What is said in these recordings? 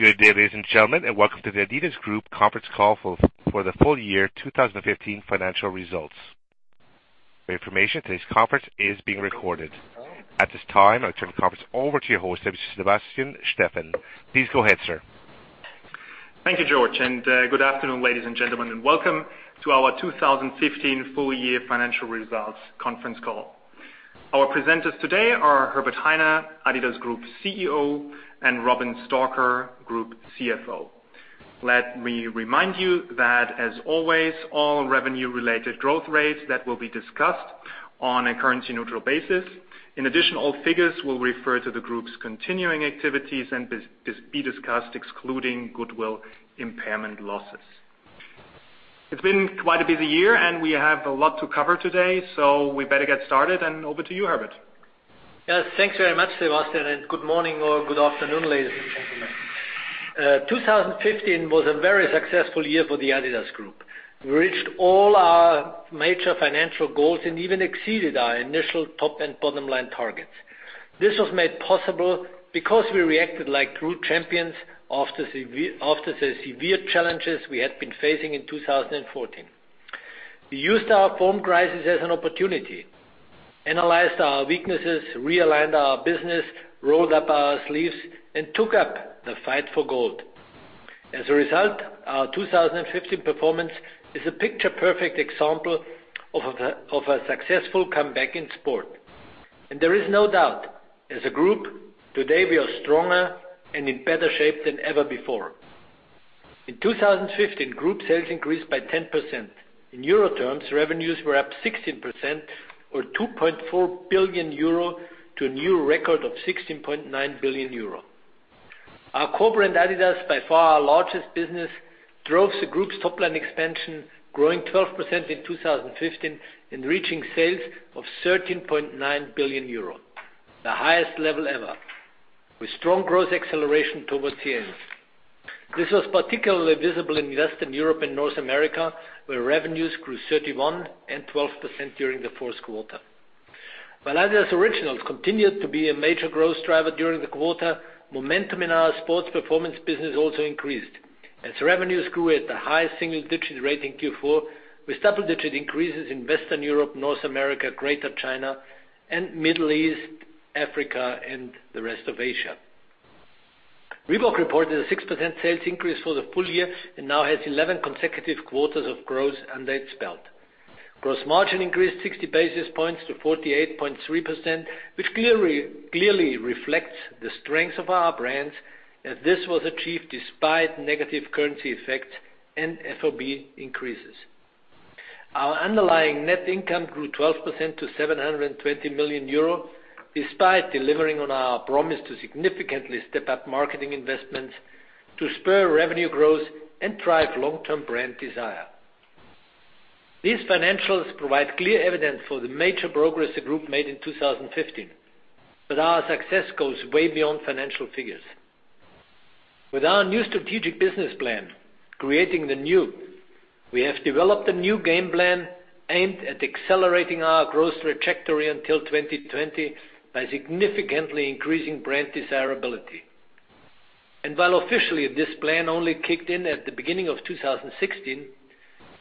Good day, ladies and gentlemen, and welcome to the Adidas Group conference call for the full year 2015 financial results. For information, today's conference is being recorded. At this time, I'll turn the conference over to your host, Sebastian Steffen. Please go ahead, sir. Thank you, George, good afternoon, ladies and gentlemen, and welcome to our 2015 full-year financial results conference call. Our presenters today are Herbert Hainer, Adidas Group CEO, and Robin Stalker, Group CFO. Let me remind you that, as always, all revenue-related growth rates that will be discussed on a currency-neutral basis. In addition, all figures will refer to the group's continuing activities and be discussed excluding goodwill impairment losses. It's been quite a busy year and we have a lot to cover today, so we better get started. Over to you, Herbert. Yes. Thanks very much, Sebastian, good morning or good afternoon, ladies and gentlemen. 2015 was a very successful year for the Adidas Group. We reached all our major financial goals and even exceeded our initial top and bottom line targets. This was made possible because we reacted like group champions after the severe challenges we had been facing in 2014. We used our own crisis as an opportunity, analyzed our weaknesses, realigned our business, rolled up our sleeves, and took up the fight for gold. As a result, our 2015 performance is a picture-perfect example of a successful comeback in sport. There is no doubt, as a group, today we are stronger and in better shape than ever before. In 2015, group sales increased by 10%. In euro terms, revenues were up 16% or 2.4 billion euro to a new record of 16.9 billion euro. Our core brand, Adidas, by far our largest business, drove the group's top-line expansion, growing 12% in 2015 and reaching sales of 13.9 billion euro, the highest level ever, with strong growth acceleration towards the end. This was particularly visible in Western Europe and North America, where revenues grew 31% and 12% during the fourth quarter. While Adidas Originals continued to be a major growth driver during the quarter, momentum in our sports performance business also increased as revenues grew at the highest single-digit rate in Q4, with double-digit increases in Western Europe, North America, Greater China, and Middle East, Africa, and the rest of Asia. Reebok reported a 6% sales increase for the full year and now has 11 consecutive quarters of growth under its belt. Gross margin increased 60 basis points to 48.3%, which clearly reflects the strength of our brands, as this was achieved despite negative currency effects and FOB increases. Our underlying net income grew 12% to 720 million euro, despite delivering on our promise to significantly step up marketing investments to spur revenue growth and drive long-term brand desire. These financials provide clear evidence for the major progress the group made in 2015. Our success goes way beyond financial figures. With our new strategic business plan, Creating the New, we have developed a new game plan aimed at accelerating our growth trajectory until 2020 by significantly increasing brand desirability. While officially this plan only kicked in at the beginning of 2016,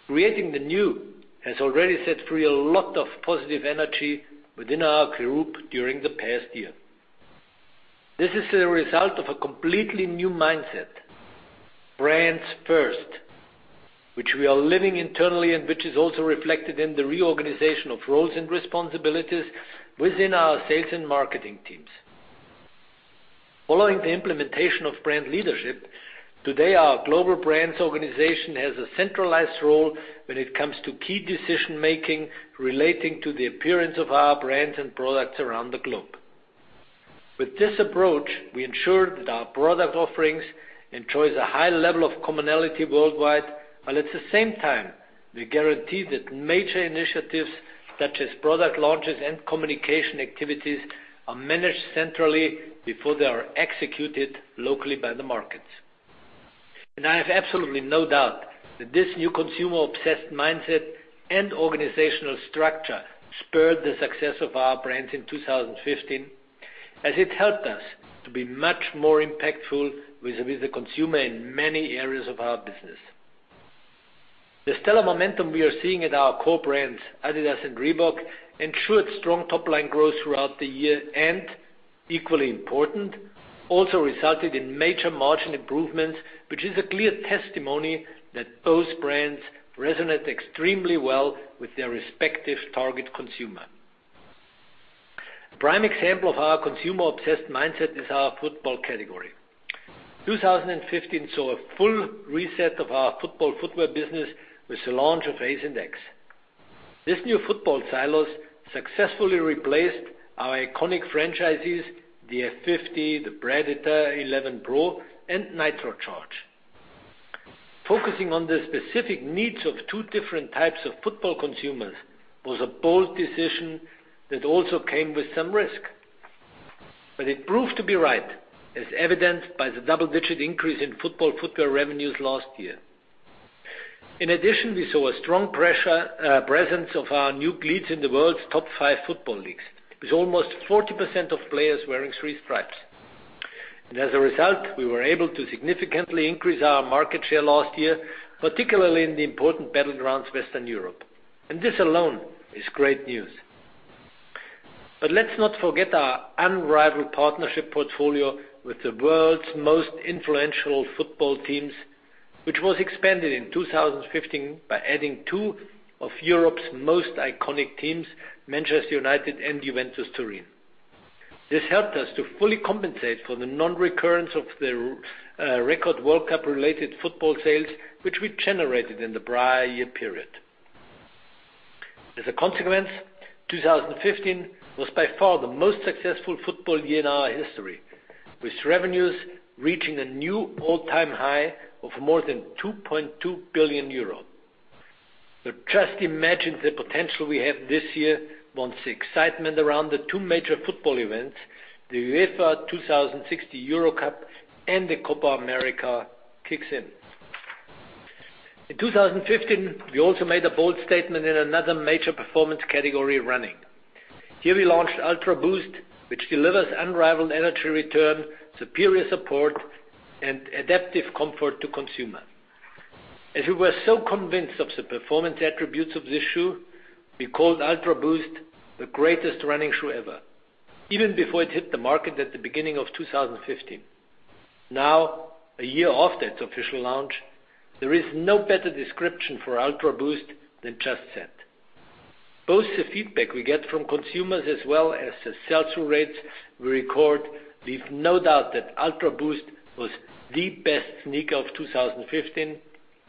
Creating the New has already set free a lot of positive energy within our group during the past year. This is the result of a completely new mindset, brands first, which we are living internally and which is also reflected in the reorganization of roles and responsibilities within our sales and marketing teams. Following the implementation of brand leadership, today our global brands organization has a centralized role when it comes to key decision-making relating to the appearance of our brands and products around the globe. With this approach, we ensure that our product offerings enjoys a high level of commonality worldwide. At the same time, we guarantee that major initiatives such as product launches and communication activities are managed centrally before they are executed locally by the markets. I have absolutely no doubt that this new consumer-obsessed mindset and organizational structure spurred the success of our brands in 2015, as it helped us to be much more impactful with the consumer in many areas of our business. The stellar momentum we are seeing at our core brands, adidas and Reebok, ensured strong top-line growth throughout the year and, equally important, also resulted in major margin improvements, which is a clear testimony that both brands resonate extremely well with their respective target consumer. A prime example of our consumer-obsessed mindset is our football category. 2015 saw a full reset of our football footwear business with the launch of Ace and X. This new football silos successfully replaced our iconic franchises, the F50, the Predator 11 Pro, and Nitrocharge. Focusing on the specific needs of two different types of football consumers was a bold decision that also came with some risk. It proved to be right, as evidenced by the double-digit increase in football footwear revenues last year. In addition, we saw a strong presence of our new cleats in the world's top five football leagues, with almost 40% of players wearing three stripes. As a result, we were able to significantly increase our market share last year, particularly in the important battlegrounds Western Europe. This alone is great news. Let's not forget our unrivaled partnership portfolio with the world's most influential football teams, which was expanded in 2015 by adding two of Europe's most iconic teams, Manchester United and Juventus Turin. This helped us to fully compensate for the non-recurrence of the record World Cup-related football sales, which we generated in the prior year period. As a consequence, 2015 was by far the most successful football year in our history, with revenues reaching a new all-time high of more than 2.2 billion euros. Just imagine the potential we have this year once the excitement around the two major football events, the UEFA Euro 2016 and the Copa América, kicks in. In 2015, we also made a bold statement in another major performance category, running. Here we launched Ultraboost, which delivers unrivaled energy return, superior support, and adaptive comfort to consumer. As we were so convinced of the performance attributes of this shoe, we called Ultraboost the greatest running shoe ever, even before it hit the market at the beginning of 2015. Now, a year after its official launch, there is no better description for Ultraboost than just said. Both the feedback we get from consumers as well as the sell-through rates we record leave no doubt that Ultraboost was the best sneaker of 2015,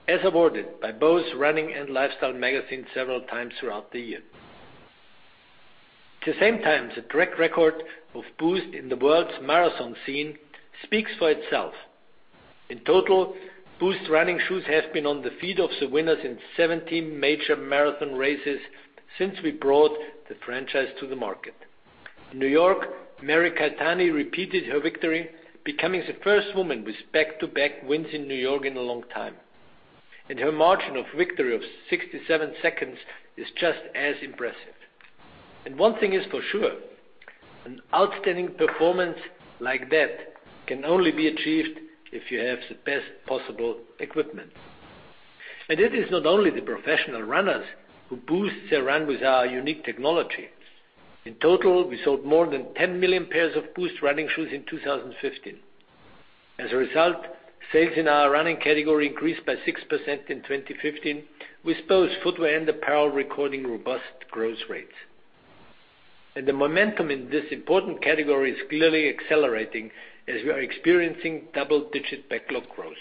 as awarded by both running and lifestyle magazines several times throughout the year. At the same time, the track record of Boost in the world's marathon scene speaks for itself. In total, Boost running shoes have been on the feet of the winners in 17 major marathon races since we brought the franchise to the market. In New York, Mary Keitany repeated her victory, becoming the first woman with back-to-back wins in New York in a long time. Her margin of victory of 67 seconds is just as impressive. One thing is for sure, an outstanding performance like that can only be achieved if you have the best possible equipment. It is not only the professional runners who boost their run with our unique technology. In total, we sold more than 10 million pairs of Boost running shoes in 2015. As a result, sales in our running category increased by 6% in 2015, with both footwear and apparel recording robust growth rates. The momentum in this important category is clearly accelerating as we are experiencing double-digit backlog growth.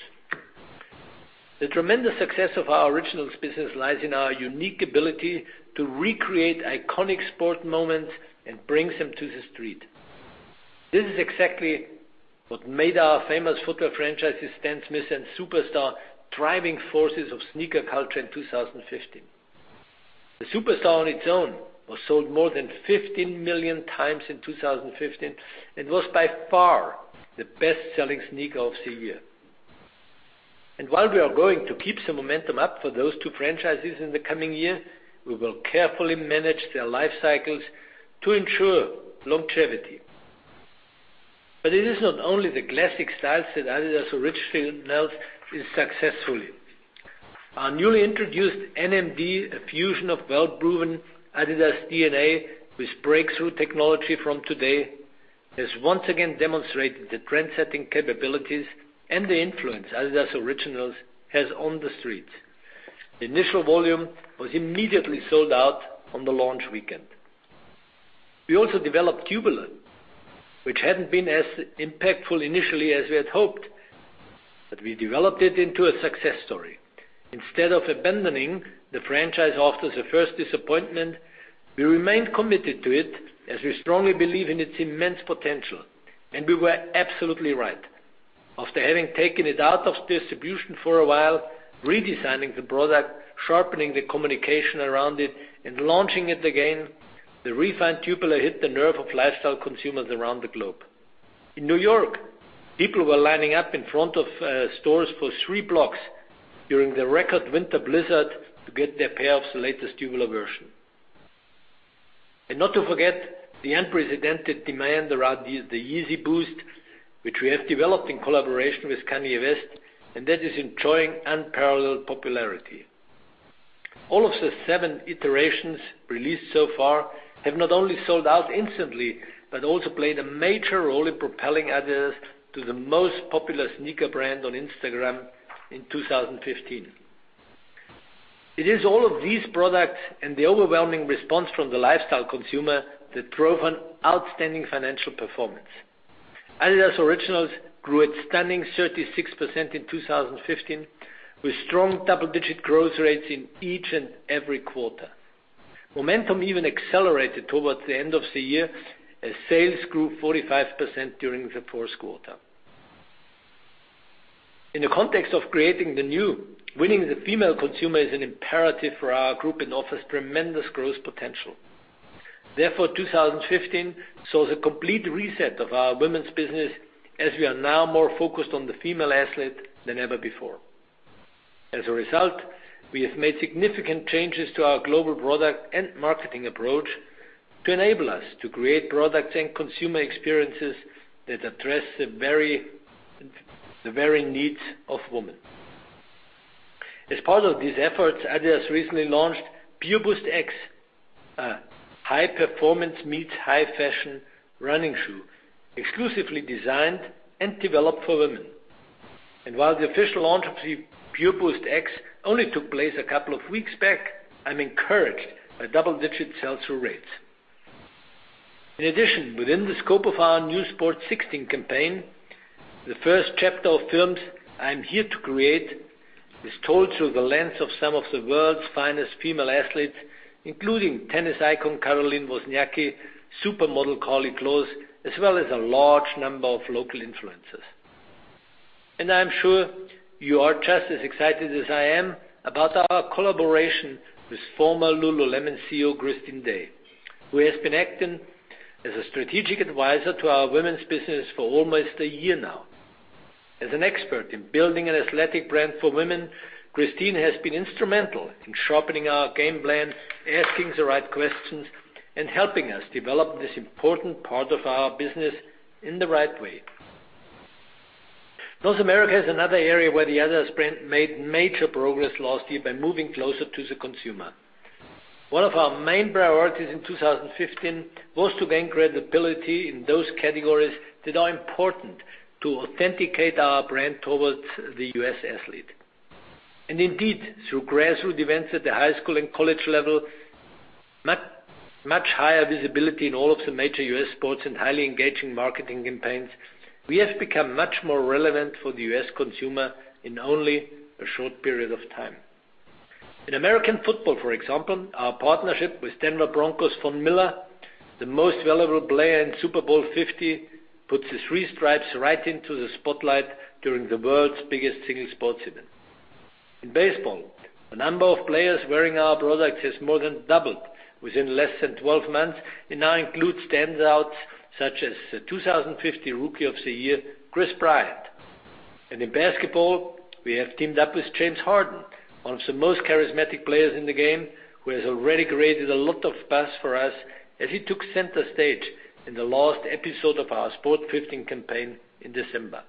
The tremendous success of our Originals business lies in our unique ability to recreate iconic sport moments and bring them to the street. This is exactly what made our famous footwear franchises, Stan Smith and Superstar, driving forces of sneaker culture in 2015. The Superstar on its own was sold more than 15 million times in 2015 and was by far the best-selling sneaker of the year. While we are going to keep the momentum up for those two franchises in the coming year, we will carefully manage their life cycles to ensure longevity. It is not only the classic styles that adidas Originals is successfully. Our newly introduced NMD, a fusion of well-proven adidas DNA with breakthrough technology from today, has once again demonstrated the trend-setting capabilities and the influence adidas Originals has on the streets. The initial volume was immediately sold out on the launch weekend. We also developed Tubular, which hadn't been as impactful initially as we had hoped, but we developed it into a success story. Instead of abandoning the franchise after the first disappointment, we remained committed to it, as we strongly believe in its immense potential. We were absolutely right. After having taken it out of distribution for a while, redesigning the product, sharpening the communication around it, and launching it again, the refined Tubular hit the nerve of lifestyle consumers around the globe. In New York, people were lining up in front of stores for three blocks during the record winter blizzard to get their pair of the latest Tubular version. Not to forget the unprecedented demand around the Yeezy Boost, which we have developed in collaboration with Kanye West, and that is enjoying unparalleled popularity. All of the seven iterations released so far have not only sold out instantly, but also played a major role in propelling adidas to the most popular sneaker brand on Instagram in 2015. It is all of these products and the overwhelming response from the lifestyle consumer that drove an outstanding financial performance. Adidas Originals grew a stunning 36% in 2015, with strong double-digit growth rates in each and every quarter. Momentum even accelerated towards the end of the year, as sales grew 45% during the fourth quarter. In the context of Creating the New, winning the female consumer is an imperative for our group and offers tremendous growth potential. Therefore, 2015 saw the complete reset of our women's business, as we are now more focused on the female athlete than ever before. As a result, we have made significant changes to our global product and marketing approach to enable us to create products and consumer experiences that address the varying needs of women. As part of these efforts, Adidas recently launched Pure Boost X, a high-performance-meets-high-fashion running shoe, exclusively designed and developed for women. While the official launch of the Pure Boost X only took place a couple of weeks back, I'm encouraged by double-digit sell-through rates. In addition, within the scope of our new Sport 16 campaign, the first chapter of films, "I'm Here to Create," is told through the lens of some of the world's finest female athletes, including tennis icon Caroline Wozniacki, supermodel Karlie Kloss, as well as a large number of local influencers. I'm sure you are just as excited as I am about our collaboration with former Lululemon CEO Christine Day, who has been acting as a strategic advisor to our women's business for almost a year now. As an expert in building an athletic brand for women, Christine has been instrumental in sharpening our game plan, asking the right questions, and helping us develop this important part of our business in the right way. North America is another area where the Adidas brand made major progress last year by moving closer to the consumer. One of our main priorities in 2015 was to gain credibility in those categories that are important to authenticate our brand towards the U.S. athlete. Indeed, through grassroots events at the high school and college level, much higher visibility in all of the major U.S. sports, and highly engaging marketing campaigns, we have become much more relevant for the U.S. consumer in only a short period of time. In American football, for example, our partnership with Denver Broncos' Von Miller, the most valuable player in Super Bowl 50, puts the three stripes right into the spotlight during the world's biggest single sports event. In baseball, the number of players wearing our products has more than doubled within less than 12 months, and now includes standouts such as the 2015 Rookie of the Year, Kris Bryant. In basketball, we have teamed up with James Harden, one of the most charismatic players in the game, who has already created a lot of buzz for us as he took center stage in the last episode of our Sport 15 campaign in December.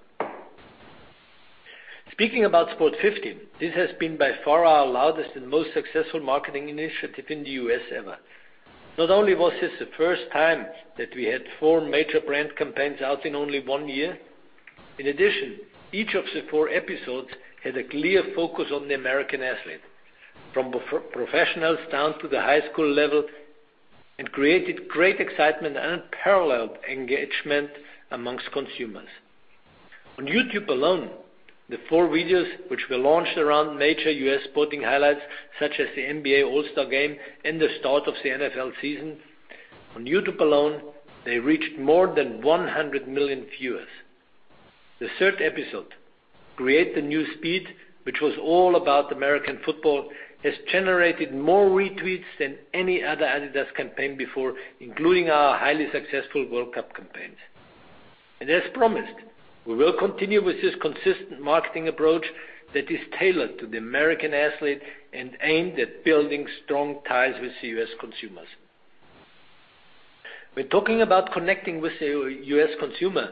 Speaking about Sport 15, this has been by far our loudest and most successful marketing initiative in the U.S. ever. Not only was this the first time that we had four major brand campaigns out in only one year, in addition, each of the four episodes had a clear focus on the American athlete, from professionals down to the high school level, and created great excitement and unparalleled engagement amongst consumers. On YouTube alone, the four videos, which were launched around major U.S. sporting highlights such as the NBA All-Star game and the start of the NFL season, on YouTube alone, they reached more than 100 million viewers. The third episode, "Create the New Speed," which was all about American football, has generated more retweets than any other adidas campaign before, including our highly successful World Cup campaigns. As promised, we will continue with this consistent marketing approach that is tailored to the American athlete and aimed at building strong ties with U.S. consumers. When talking about connecting with the U.S. consumer,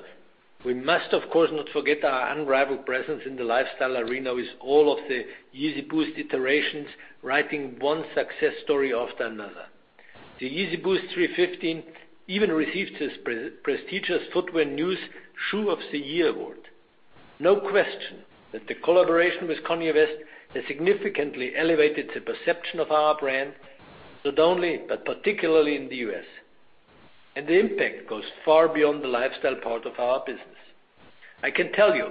we must, of course, not forget our unrivaled presence in the lifestyle arena with all of the Yeezy Boost iterations writing one success story after another. The Yeezy Boost 350 even received the prestigious Footwear News Shoe of the Year award. No question that the collaboration with Kanye West has significantly elevated the perception of our brand, not only, but particularly in the U.S. The impact goes far beyond the lifestyle part of our business. I can tell you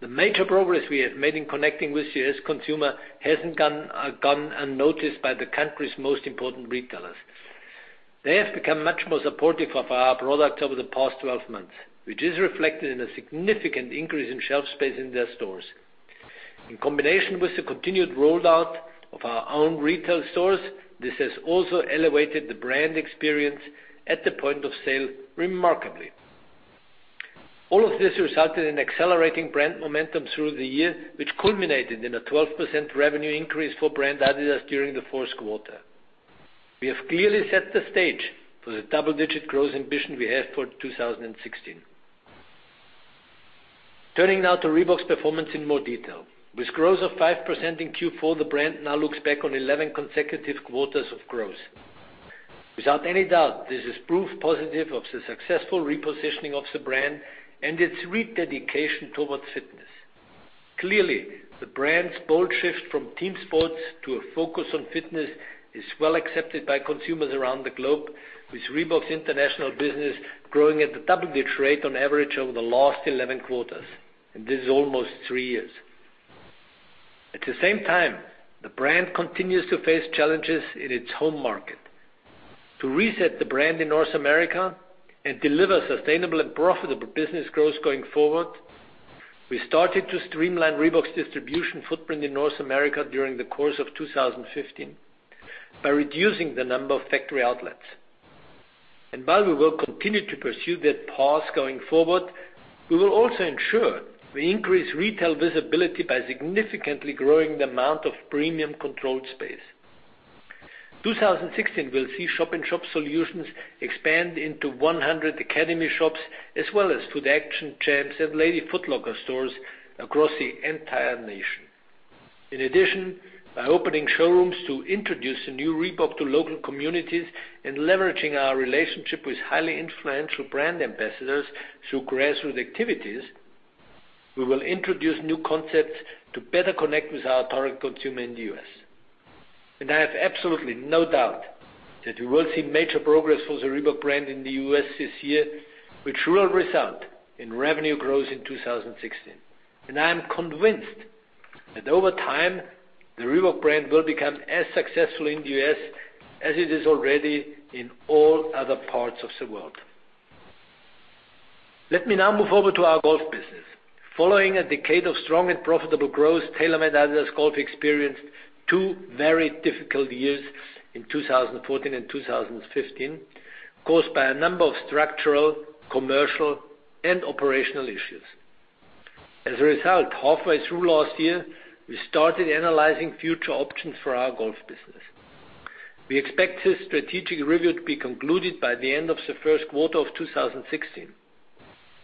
the major progress we have made in connecting with the U.S. consumer hasn't gone unnoticed by the country's most important retailers. They have become much more supportive of our products over the past 12 months, which is reflected in a significant increase in shelf space in their stores. In combination with the continued rollout of our own retail stores, this has also elevated the brand experience at the point of sale remarkably. All of this resulted in accelerating brand momentum through the year, which culminated in a 12% revenue increase for brand adidas during the fourth quarter. We have clearly set the stage for the double-digit growth ambition we have for 2016. Turning now to Reebok's performance in more detail. With growth of 5% in Q4, the brand now looks back on 11 consecutive quarters of growth. Without any doubt, this is proof positive of the successful repositioning of the brand and its rededication towards fitness. Clearly, the brand's bold shift from team sports to a focus on fitness is well accepted by consumers around the globe, with Reebok's international business growing at a double-digit rate on average over the last 11 quarters, and this is almost three years. At the same time, the brand continues to face challenges in its home market. To reset the brand in North America and deliver sustainable and profitable business growth going forward, we started to streamline Reebok's distribution footprint in North America during the course of 2015 by reducing the number of factory outlets. While we will continue to pursue that path going forward, we will also ensure we increase retail visibility by significantly growing the amount of premium controlled space. 2016 will see shop-in-shop solutions expand into 100 Academy shops, as well as Footaction, Champs, and Lady Foot Locker stores across the entire nation. In addition, by opening showrooms to introduce the new Reebok to local communities and leveraging our relationship with highly influential brand ambassadors through grassroots activities, we will introduce new concepts to better connect with our target consumer in the U.S. I have absolutely no doubt that we will see major progress for the Reebok brand in the U.S. this year, which will result in revenue growth in 2016. I am convinced that over time, the Reebok brand will become as successful in the U.S. as it is already in all other parts of the world. Let me now move over to our Golf business. Following a decade of strong and profitable growth, TaylorMade-adidas Golf experienced two very difficult years in 2014 and 2015, caused by a number of structural, commercial, and operational issues. As a result, halfway through last year, we started analyzing future options for our Golf business. We expect this strategic review to be concluded by the end of the first quarter of 2016.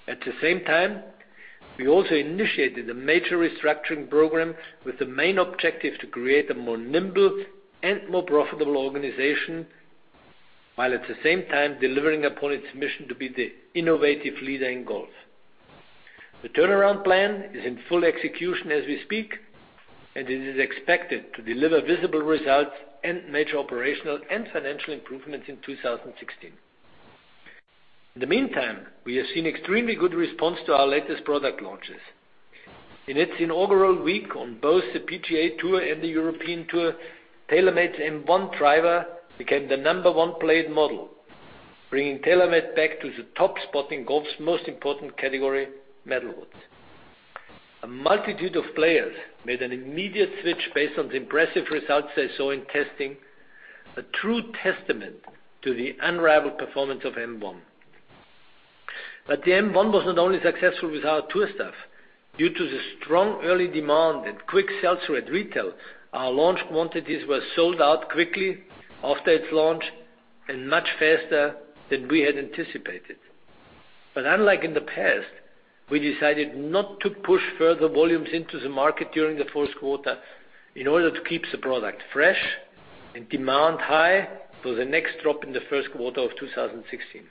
At the same time, we also initiated a major restructuring program with the main objective to create a more nimble and more profitable organization, while at the same time delivering upon its mission to be the innovative leader in golf. The turnaround plan is in full execution as we speak, and it is expected to deliver visible results and major operational and financial improvements in 2016. In the meantime, we have seen extremely good response to our latest product launches. In its inaugural week on both the PGA Tour and the European Tour, TaylorMade's M1 driver became the number 1 played model, bringing TaylorMade back to the top spot in golf's most important category, metalwoods. A multitude of players made an immediate switch based on the impressive results they saw in testing, a true testament to the unrivaled performance of M1. The M1 was not only successful with our tour staff. Due to the strong early demand and quick sell-through at retail, our launch quantities were sold out quickly after its launch and much faster than we had anticipated. Unlike in the past, we decided not to push further volumes into the market during the fourth quarter in order to keep the product fresh and demand high for the next drop in the first quarter of 2016.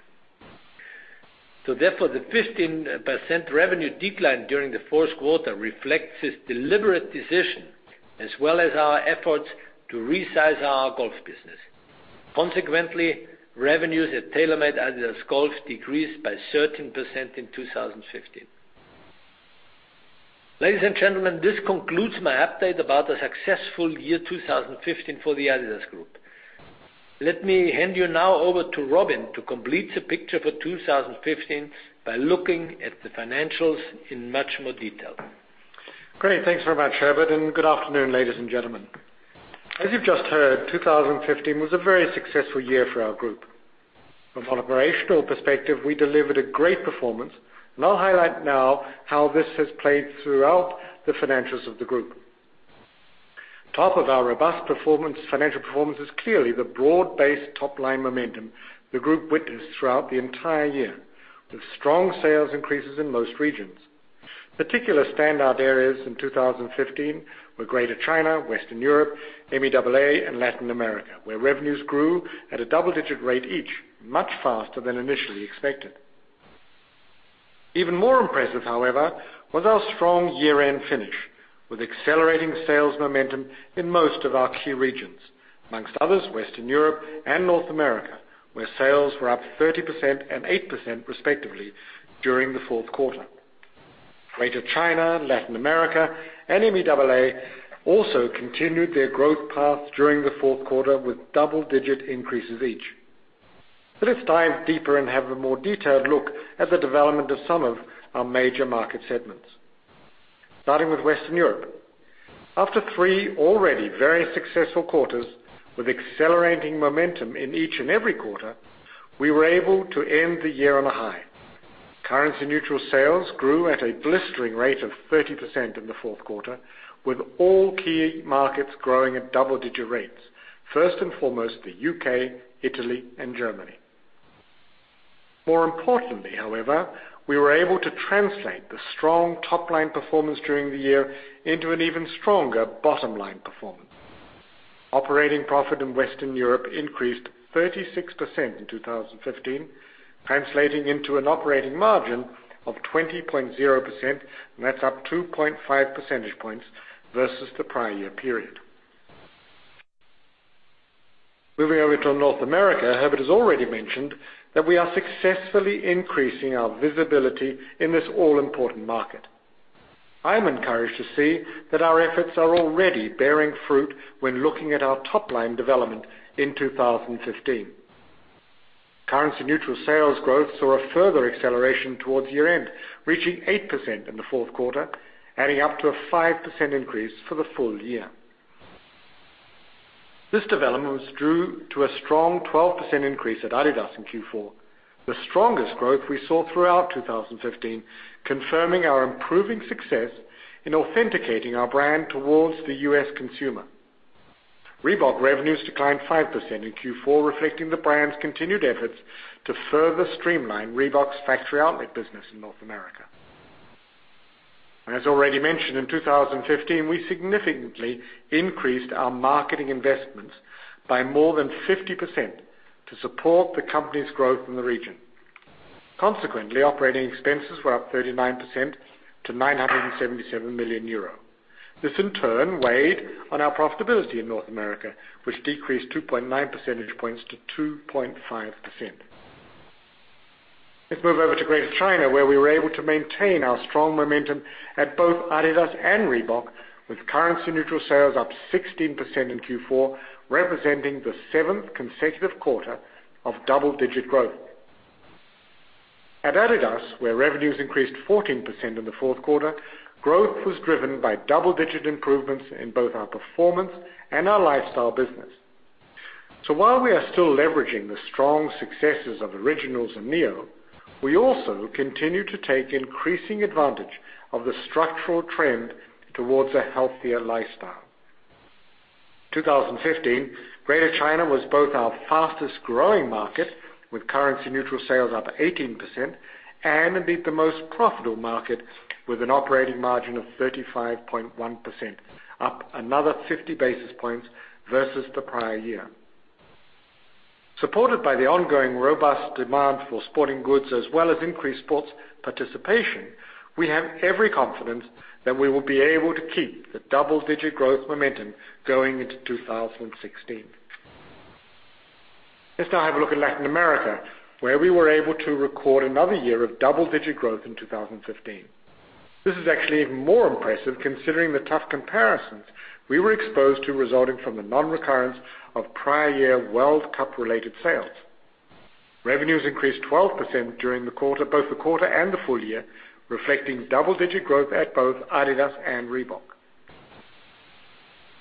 Therefore, the 15% revenue decline during the fourth quarter reflects this deliberate decision, as well as our efforts to resize our Golf business. Consequently, revenues at TaylorMade-adidas Golf decreased by 13% in 2015. Ladies and gentlemen, this concludes my update about the successful year 2015 for the adidas Group. Let me hand you now over to Robin to complete the picture for 2015 by looking at the financials in much more detail. Great. Thanks very much, Herbert. Good afternoon, ladies and gentlemen. As you've just heard, 2015 was a very successful year for our group. From an operational perspective, we delivered a great performance. I'll highlight now how this has played throughout the financials of the group. Top of our robust financial performance is clearly the broad-based top-line momentum the group witnessed throughout the entire year, with strong sales increases in most regions. Particular standout areas in 2015 were Greater China, Western Europe, MEAA, and Latin America, where revenues grew at a double-digit rate each, much faster than initially expected. Even more impressive, however, was our strong year-end finish, with accelerating sales momentum in most of our key regions, amongst others, Western Europe and North America, where sales were up 30% and 8%, respectively, during the fourth quarter. Greater China, Latin America, and MEAA also continued their growth path during the fourth quarter with double-digit increases each. Let's dive deeper and have a more detailed look at the development of some of our major market segments. Starting with Western Europe. After three already very successful quarters with accelerating momentum in each and every quarter, we were able to end the year on a high. Currency-neutral sales grew at a blistering rate of 30% in the fourth quarter, with all key markets growing at double-digit rates, first and foremost, the U.K., Italy, and Germany. More importantly, however, we were able to translate the strong top-line performance during the year into an even stronger bottom-line performance. Operating profit in Western Europe increased 36% in 2015, translating into an operating margin of 20.0%. That's up 2.5 percentage points versus the prior year period. Moving over to North America, Herbert has already mentioned that we are successfully increasing our visibility in this all-important market. I am encouraged to see that our efforts are already bearing fruit when looking at our top-line development in 2015. Currency neutral sales growth saw a further acceleration towards year-end, reaching 8% in the fourth quarter, adding up to a 5% increase for the full year. This development was due to a strong 12% increase at adidas in Q4, the strongest growth we saw throughout 2015, confirming our improving success in authenticating our brand towards the U.S. consumer. Reebok revenues declined 5% in Q4, reflecting the brand's continued efforts to further streamline Reebok's factory outlet business in North America. As already mentioned, in 2015, we significantly increased our marketing investments by more than 50% to support the company's growth in the region. Consequently, operating expenses were up 39% to 977 million euro. This in turn weighed on our profitability in North America, which decreased 2.9 percentage points to 2.5%. Let's move over to Greater China, where we were able to maintain our strong momentum at both adidas and Reebok, with currency-neutral sales up 16% in Q4, representing the seventh consecutive quarter of double-digit growth. At adidas, where revenues increased 14% in the fourth quarter, growth was driven by double-digit improvements in both our performance and our lifestyle business. While we are still leveraging the strong successes of Originals and Neo, we also continue to take increasing advantage of the structural trend towards a healthier lifestyle. 2015, Greater China was both our fastest-growing market, with currency-neutral sales up 18%, and indeed the most profitable market, with an operating margin of 35.1%, up another 50 basis points versus the prior year. Supported by the ongoing robust demand for sporting goods as well as increased sports participation, we have every confidence that we will be able to keep the double-digit growth momentum going into 2016. Let's now have a look at Latin America, where we were able to record another year of double-digit growth in 2015. This is actually even more impressive considering the tough comparisons we were exposed to resulting from the non-recurrence of prior year World Cup-related sales. Revenues increased 12% during both the quarter and the full year, reflecting double-digit growth at both adidas and Reebok.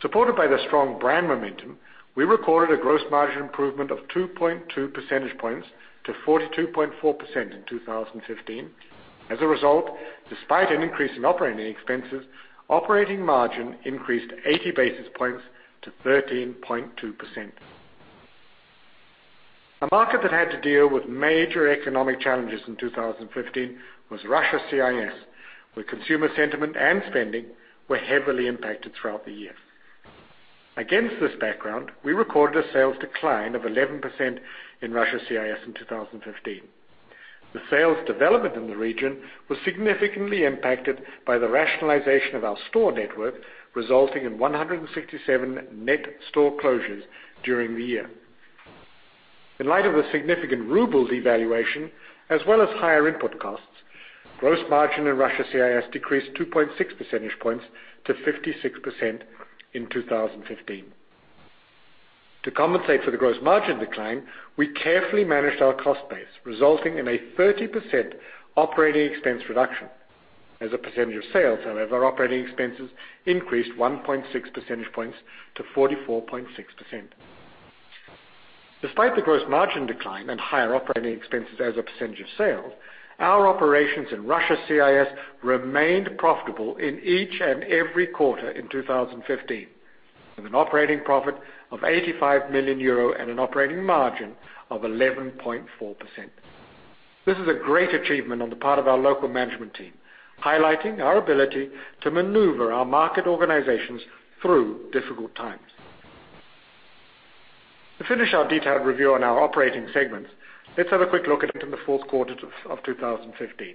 Supported by the strong brand momentum, we recorded a gross margin improvement of 2.2 percentage points to 42.4% in 2015. As a result, despite an increase in operating expenses, operating margin increased 80 basis points to 13.2%. A market that had to deal with major economic challenges in 2015 was Russia CIS, where consumer sentiment and spending were heavily impacted throughout the year. Against this background, we recorded a sales decline of 11% in Russia CIS in 2015. The sales development in the region was significantly impacted by the rationalization of our store network, resulting in 167 net store closures during the year. In light of the significant ruble devaluation, as well as higher input costs, gross margin in Russia CIS decreased 2.6 percentage points to 56% in 2015. To compensate for the gross margin decline, we carefully managed our cost base, resulting in a 30% operating expense reduction. As a percentage of sales, however, operating expenses increased 1.6 percentage points to 44.6%. Despite the gross margin decline and higher operating expenses as a percentage of sales, our operations in Russia CIS remained profitable in each and every quarter in 2015, with an operating profit of 85 million euro and an operating margin of 11.4%. This is a great achievement on the part of our local management team, highlighting our ability to maneuver our market organizations through difficult times. To finish our detailed review on our operating segments, let's have a quick look at it in the fourth quarter of 2015.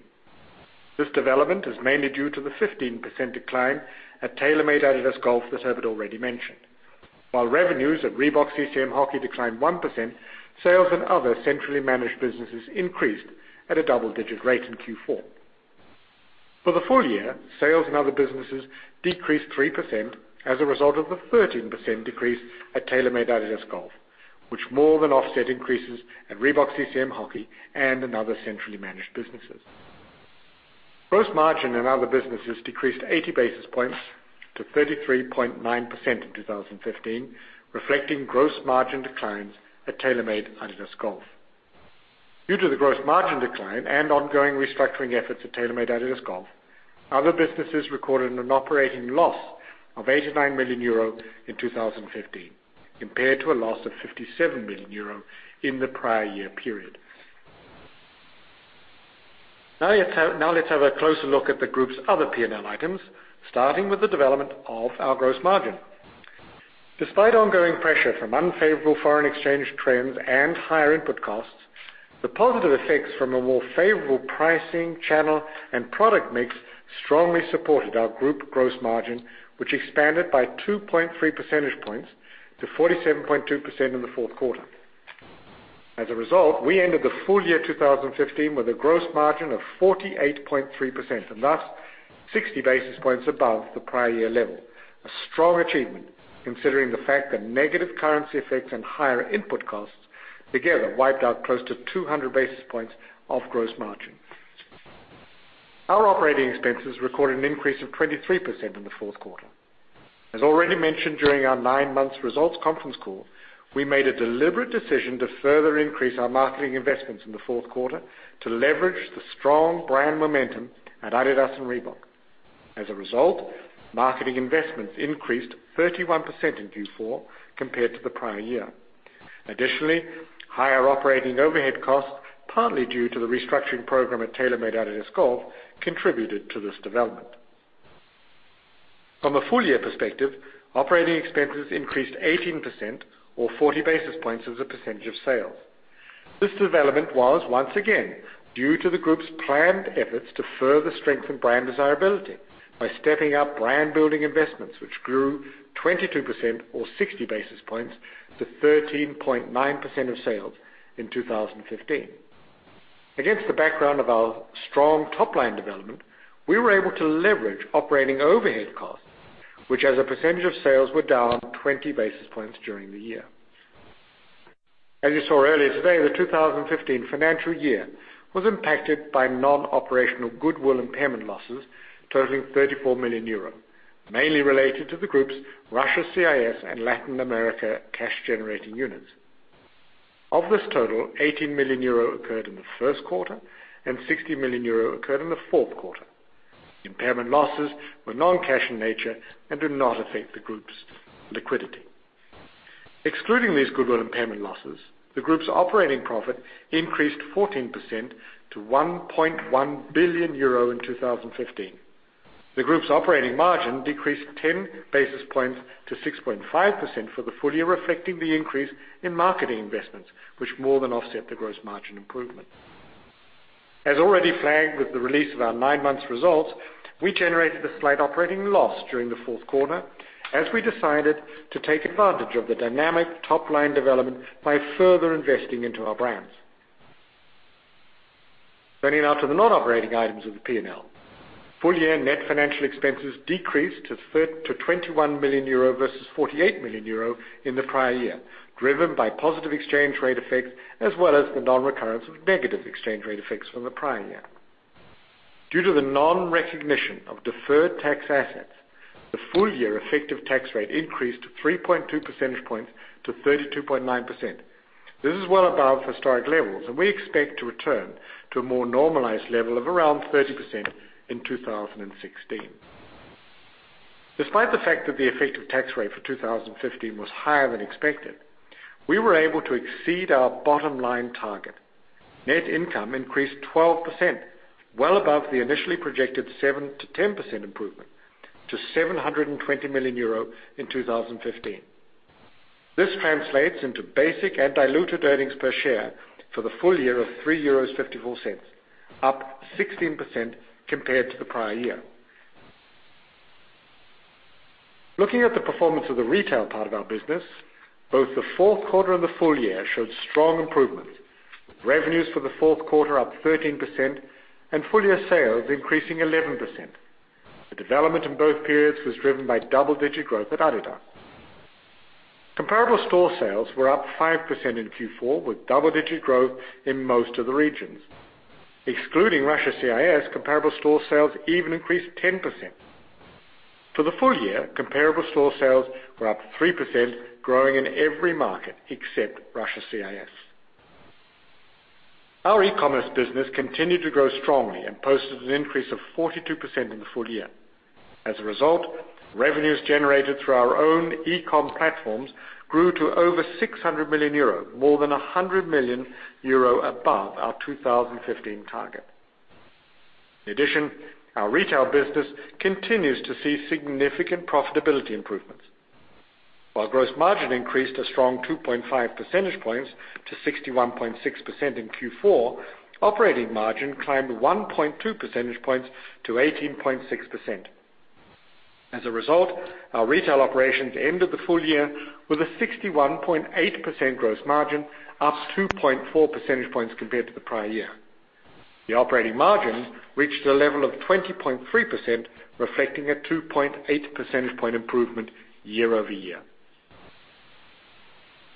This development is mainly due to the 15% decline at TaylorMade-adidas Golf that Herbert already mentioned. While revenues at Reebok-CCM Hockey declined 1%, sales in other centrally managed businesses increased at a double-digit rate in Q4. For the full year, sales in other businesses decreased 3% as a result of the 13% decrease at TaylorMade-adidas Golf, which more than offset increases at Reebok-CCM Hockey and in other centrally managed businesses. Gross margin in other businesses decreased 80 basis points to 33.9% in 2015, reflecting gross margin declines at TaylorMade-adidas Golf. Due to the gross margin decline and ongoing restructuring efforts at TaylorMade-adidas Golf, other businesses recorded an operating loss of 89 million euro in 2015, compared to a loss of 57 million euro in the prior year period. Now let's have a closer look at the group's other P&L items, starting with the development of our gross margin. Despite ongoing pressure from unfavorable foreign exchange trends and higher input costs, the positive effects from a more favorable pricing, channel, and product mix strongly supported our group gross margin, which expanded by 2.3 percentage points to 47.2% in the fourth quarter. As a result, we ended the full year 2015 with a gross margin of 48.3%, and thus 60 basis points above the prior year level. A strong achievement considering the fact that negative currency effects and higher input costs together wiped out close to 200 basis points of gross margin. Our operating expenses recorded an increase of 23% in the fourth quarter. As already mentioned, during our nine-month results conference call, we made a deliberate decision to further increase our marketing investments in the fourth quarter to leverage the strong brand momentum at adidas and Reebok. As a result, marketing investments increased 31% in Q4 compared to the prior year. Additionally, higher operating overhead costs, partly due to the restructuring program at TaylorMade-adidas Golf, contributed to this development. From a full-year perspective, operating expenses increased 18% or 40 basis points as a percentage of sales. This development was, once again, due to the group's planned efforts to further strengthen brand desirability by stepping up brand-building investments, which grew 22% or 60 basis points to 13.9% of sales in 2015. Against the background of our strong top-line development, we were able to leverage operating overhead costs, which as a percentage of sales, were down 20 basis points during the year. As you saw earlier today, the 2015 financial year was impacted by non-operational goodwill impairment losses totaling 34 million euro, mainly related to the group's Russia CIS and Latin America cash-generating units. Of this total, 18 million euro occurred in the first quarter, and 16 million euro occurred in the fourth quarter. Impairment losses were non-cash in nature and do not affect the group's liquidity. Excluding these goodwill impairment losses, the group's operating profit increased 14% to 1.1 billion euro in 2015. The group's operating margin decreased 10 basis points to 6.5% for the full year, reflecting the increase in marketing investments, which more than offset the gross margin improvement. As already flagged with the release of our nine-month results, we generated a slight operating loss during the fourth quarter as we decided to take advantage of the dynamic top-line development by further investing into our brands. Turning now to the non-operating items of the P&L. Full-year net financial expenses decreased to 21 million euro versus 48 million euro in the prior year, driven by positive exchange rate effects as well as the non-recurrence of negative exchange rate effects from the prior year. Due to the non-recognition of deferred tax assets, the full-year effective tax rate increased 3.2 percentage points to 32.9%. This is well above historic levels, and we expect to return to a more normalized level of around 30% in 2016. Despite the fact that the effective tax rate for 2015 was higher than expected, we were able to exceed our bottom-line target. Net income increased 12%, well above the initially projected 7%-10% improvement to 720 million euro in 2015. This translates into basic and diluted earnings per share for the full year of 3.54 euros, up 16% compared to the prior year. Looking at the performance of the retail part of our business, both the fourth quarter and the full year showed strong improvements. Revenues for the fourth quarter up 13%, and full-year sales increasing 11%. The development in both periods was driven by double-digit growth at adidas. Comparable store sales were up 5% in Q4, with double-digit growth in most of the regions. Excluding Russia CIS, comparable store sales even increased 10%. For the full year, comparable store sales were up 3%, growing in every market except Russia CIS. Our e-commerce business continued to grow strongly and posted an increase of 42% in the full year. As a result, revenues generated through our own e-com platforms grew to over 600 million euro, more than 100 million euro above our 2015 target. In addition, our retail business continues to see significant profitability improvements. While gross margin increased a strong 2.5 percentage points to 61.6% in Q4, operating margin climbed 1.2 percentage points to 18.6%. As a result, our retail operations ended the full year with a 61.8% gross margin, up 2.4 percentage points compared to the prior year. The operating margin reached a level of 20.3%, reflecting a 2.8 percentage point improvement year-over-year.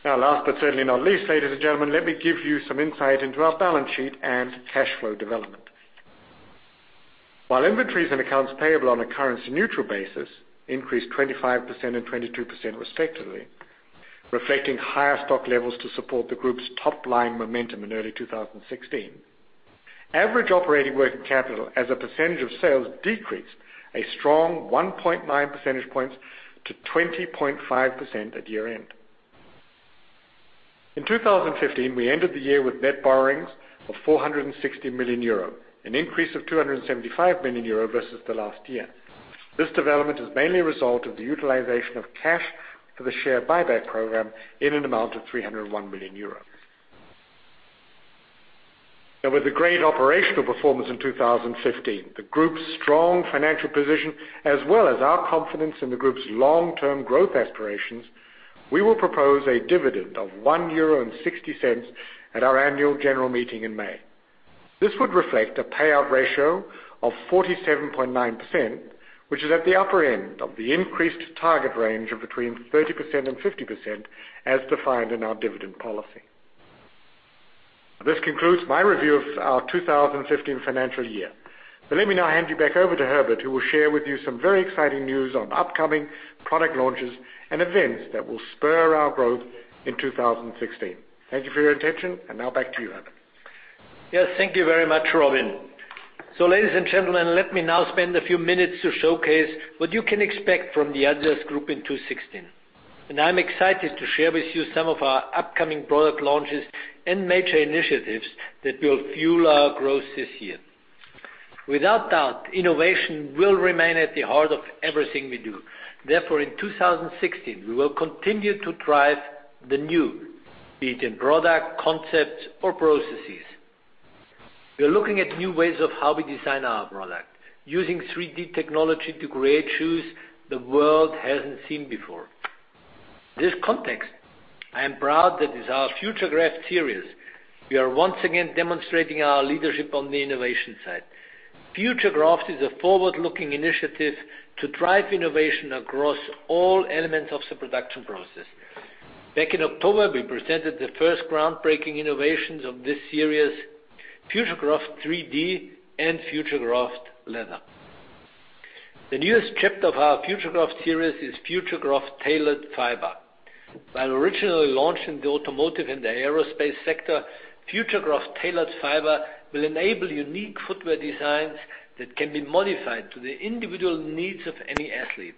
Now, last but certainly not least, ladies and gentlemen, let me give you some insight into our balance sheet and cash flow development. While inventories and accounts payable on a currency-neutral basis increased 25% and 22% respectively, reflecting higher stock levels to support the group's top-line momentum in early 2016. Average operating working capital as a percentage of sales decreased a strong 1.9 percentage points to 20.5% at year-end. In 2015, we ended the year with net borrowings of 460 million euro, an increase of 275 million euro versus the last year. This development is mainly a result of the utilization of cash for the share buyback program in an amount of 301 million euros. Now, with the great operational performance in 2015, the group's strong financial position, as well as our confidence in the group's long-term growth aspirations, we will propose a dividend of 1.60 euro at our annual general meeting in May. This would reflect a payout ratio of 47.9%, which is at the upper end of the increased target range of between 30% and 50% as defined in our dividend policy. This concludes my review of our 2015 financial year. Let me now hand you back over to Herbert, who will share with you some very exciting news on upcoming product launches and events that will spur our growth in 2016. Thank you for your attention, and now back to you, Herbert. Yes, thank you very much, Robin. Ladies and gentlemen, let me now spend a few minutes to showcase what you can expect from the adidas Group in 2016. I'm excited to share with you some of our upcoming product launches and major initiatives that will fuel our growth this year. Without doubt, innovation will remain at the heart of everything we do. Therefore, in 2016, we will continue to drive the new, be it in product, concepts, or processes. We are looking at new ways of how we design our product, using 3D technology to create shoes the world hasn't seen before. In this context, I am proud that with our Futurecraft series, we are once again demonstrating our leadership on the innovation side. Futurecraft is a forward-looking initiative to drive innovation across all elements of the production process. Back in October, we presented the first groundbreaking innovations of this series, Futurecraft 3D and Futurecraft Leather. The newest chapter of our Futurecraft series is Futurecraft Tailored Fibre. While originally launched in the automotive and the aerospace sector, Futurecraft Tailored Fibre will enable unique footwear designs that can be modified to the individual needs of any athlete.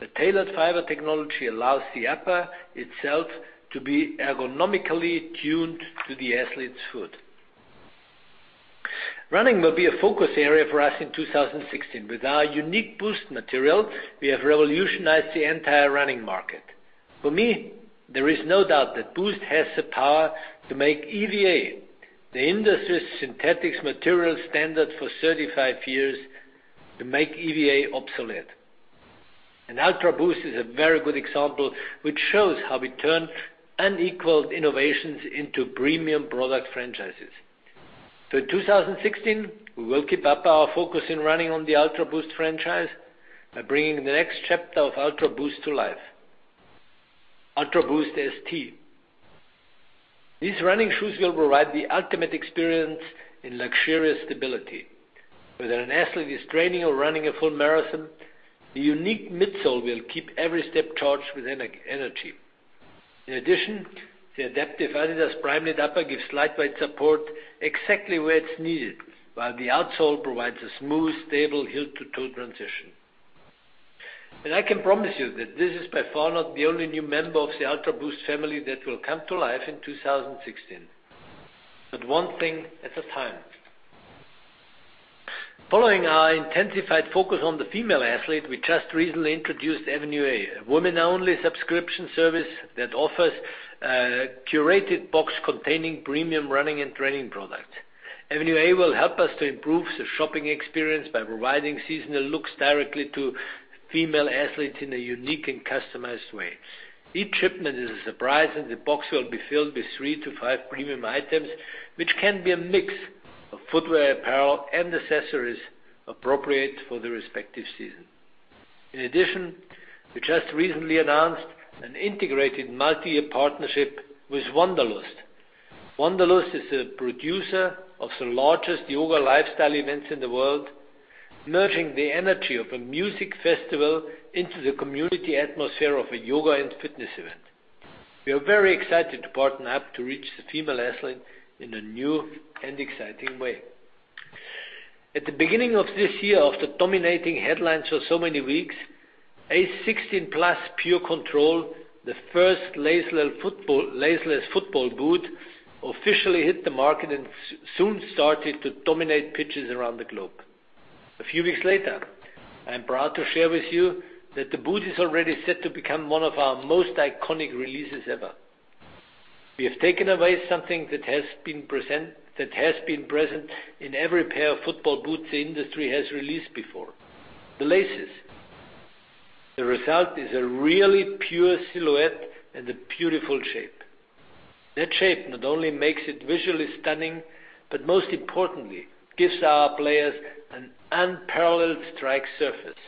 The tailored fiber technology allows the upper itself to be ergonomically tuned to the athlete's foot. Running will be a focus area for us in 2016. With our unique Boost material, we have revolutionized the entire running market. For me, there is no doubt that Boost has the power to make EVA, the industry's synthetics material standard for 35 years, obsolete. UltraBoost is a very good example, which shows how we turn unequaled innovations into premium product franchises. In 2016, we will keep up our focus in running on the UltraBoost franchise by bringing the next chapter of UltraBoost to life, UltraBoost ST. These running shoes will provide the ultimate experience in luxurious stability. Whether an athlete is training or running a full marathon, the unique midsole will keep every step charged with energy. In addition, the adaptive adidas Primeknit upper gives lightweight support exactly where it's needed, while the outsole provides a smooth, stable heel-to-toe transition. I can promise you that this is by far not the only new member of the UltraBoost family that will come to life in 2016. One thing at a time. Following our intensified focus on the female athlete, we just recently introduced Avenue A, a women-only subscription service that offers a curated box containing premium running and training products. Avenue A will help us to improve the shopping experience by providing seasonal looks directly to female athletes in a unique and customized way. Each shipment is a surprise, and the box will be filled with three to five premium items, which can be a mix of footwear, apparel, and accessories appropriate for the respective season. In addition, we just recently announced an integrated multi-year partnership with Wanderlust. Wanderlust is a producer of the largest yoga lifestyle events in the world, merging the energy of a music festival into the community atmosphere of a yoga and fitness event. We are very excited to partner up to reach the female athlete in a new and exciting way. At the beginning of this year, after dominating headlines for so many weeks, Ace 16+ PureControl, the first laceless football boot, officially hit the market and soon started to dominate pitches around the globe. A few weeks later, I am proud to share with you that the boot is already set to become one of our most iconic releases ever. We have taken away something that has been present in every pair of football boots the industry has released before, the laces. The result is a really pure silhouette and a beautiful shape. That shape not only makes it visually stunning, but most importantly, gives our players an unparalleled strike surface.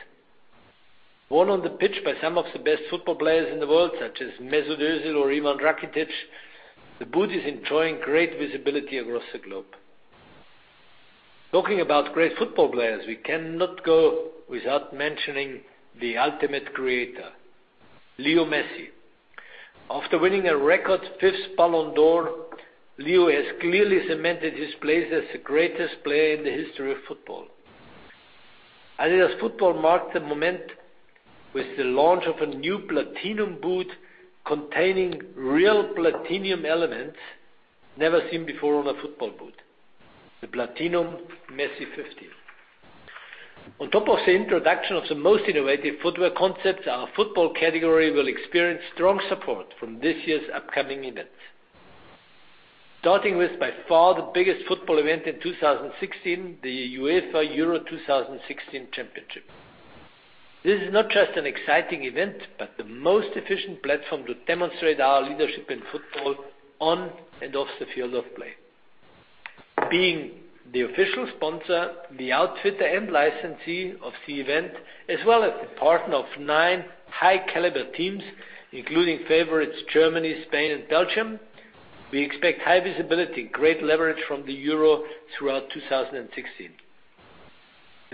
Worn on the pitch by some of the best football players in the world, such as Mesut Özil or Ivan Rakitić, the boot is enjoying great visibility across the globe. Talking about great football players, we cannot go without mentioning the ultimate creator, Lionel Messi. After winning a record fifth Ballon d'Or, Leo has clearly cemented his place as the greatest player in the history of football. adidas Football marked the moment with the launch of a new platinum boot containing real platinum elements never seen before on a football boot, the Platinum Messi 15. On top of the introduction of the most innovative footwear concepts, our football category will experience strong support from this year's upcoming events. Starting with, by far, the biggest football event in 2016, the UEFA Euro 2016 Championship. This is not just an exciting event, but the most efficient platform to demonstrate our leadership in football on and off the field of play. Being the official sponsor, the outfitter, and licensee of the event, as well as the partner of nine high-caliber teams, including favorites Germany, Spain, and Belgium, we expect high visibility and great leverage from the Euro throughout 2016.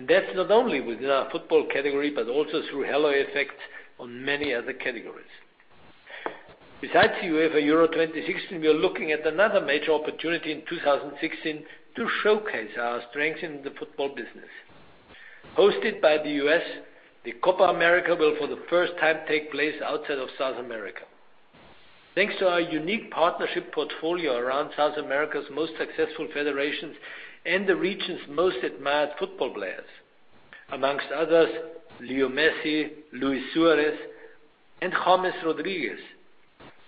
That's not only within our football category, but also through halo effect on many other categories. Besides the UEFA Euro 2016, we are looking at another major opportunity in 2016 to showcase our strength in the football business. Hosted by the U.S., the Copa América will for the first time take place outside of South America. Thanks to our unique partnership portfolio around South America's most successful federations and the region's most admired football players, amongst others, Lionel Messi, Luis Suárez, and James Rodríguez.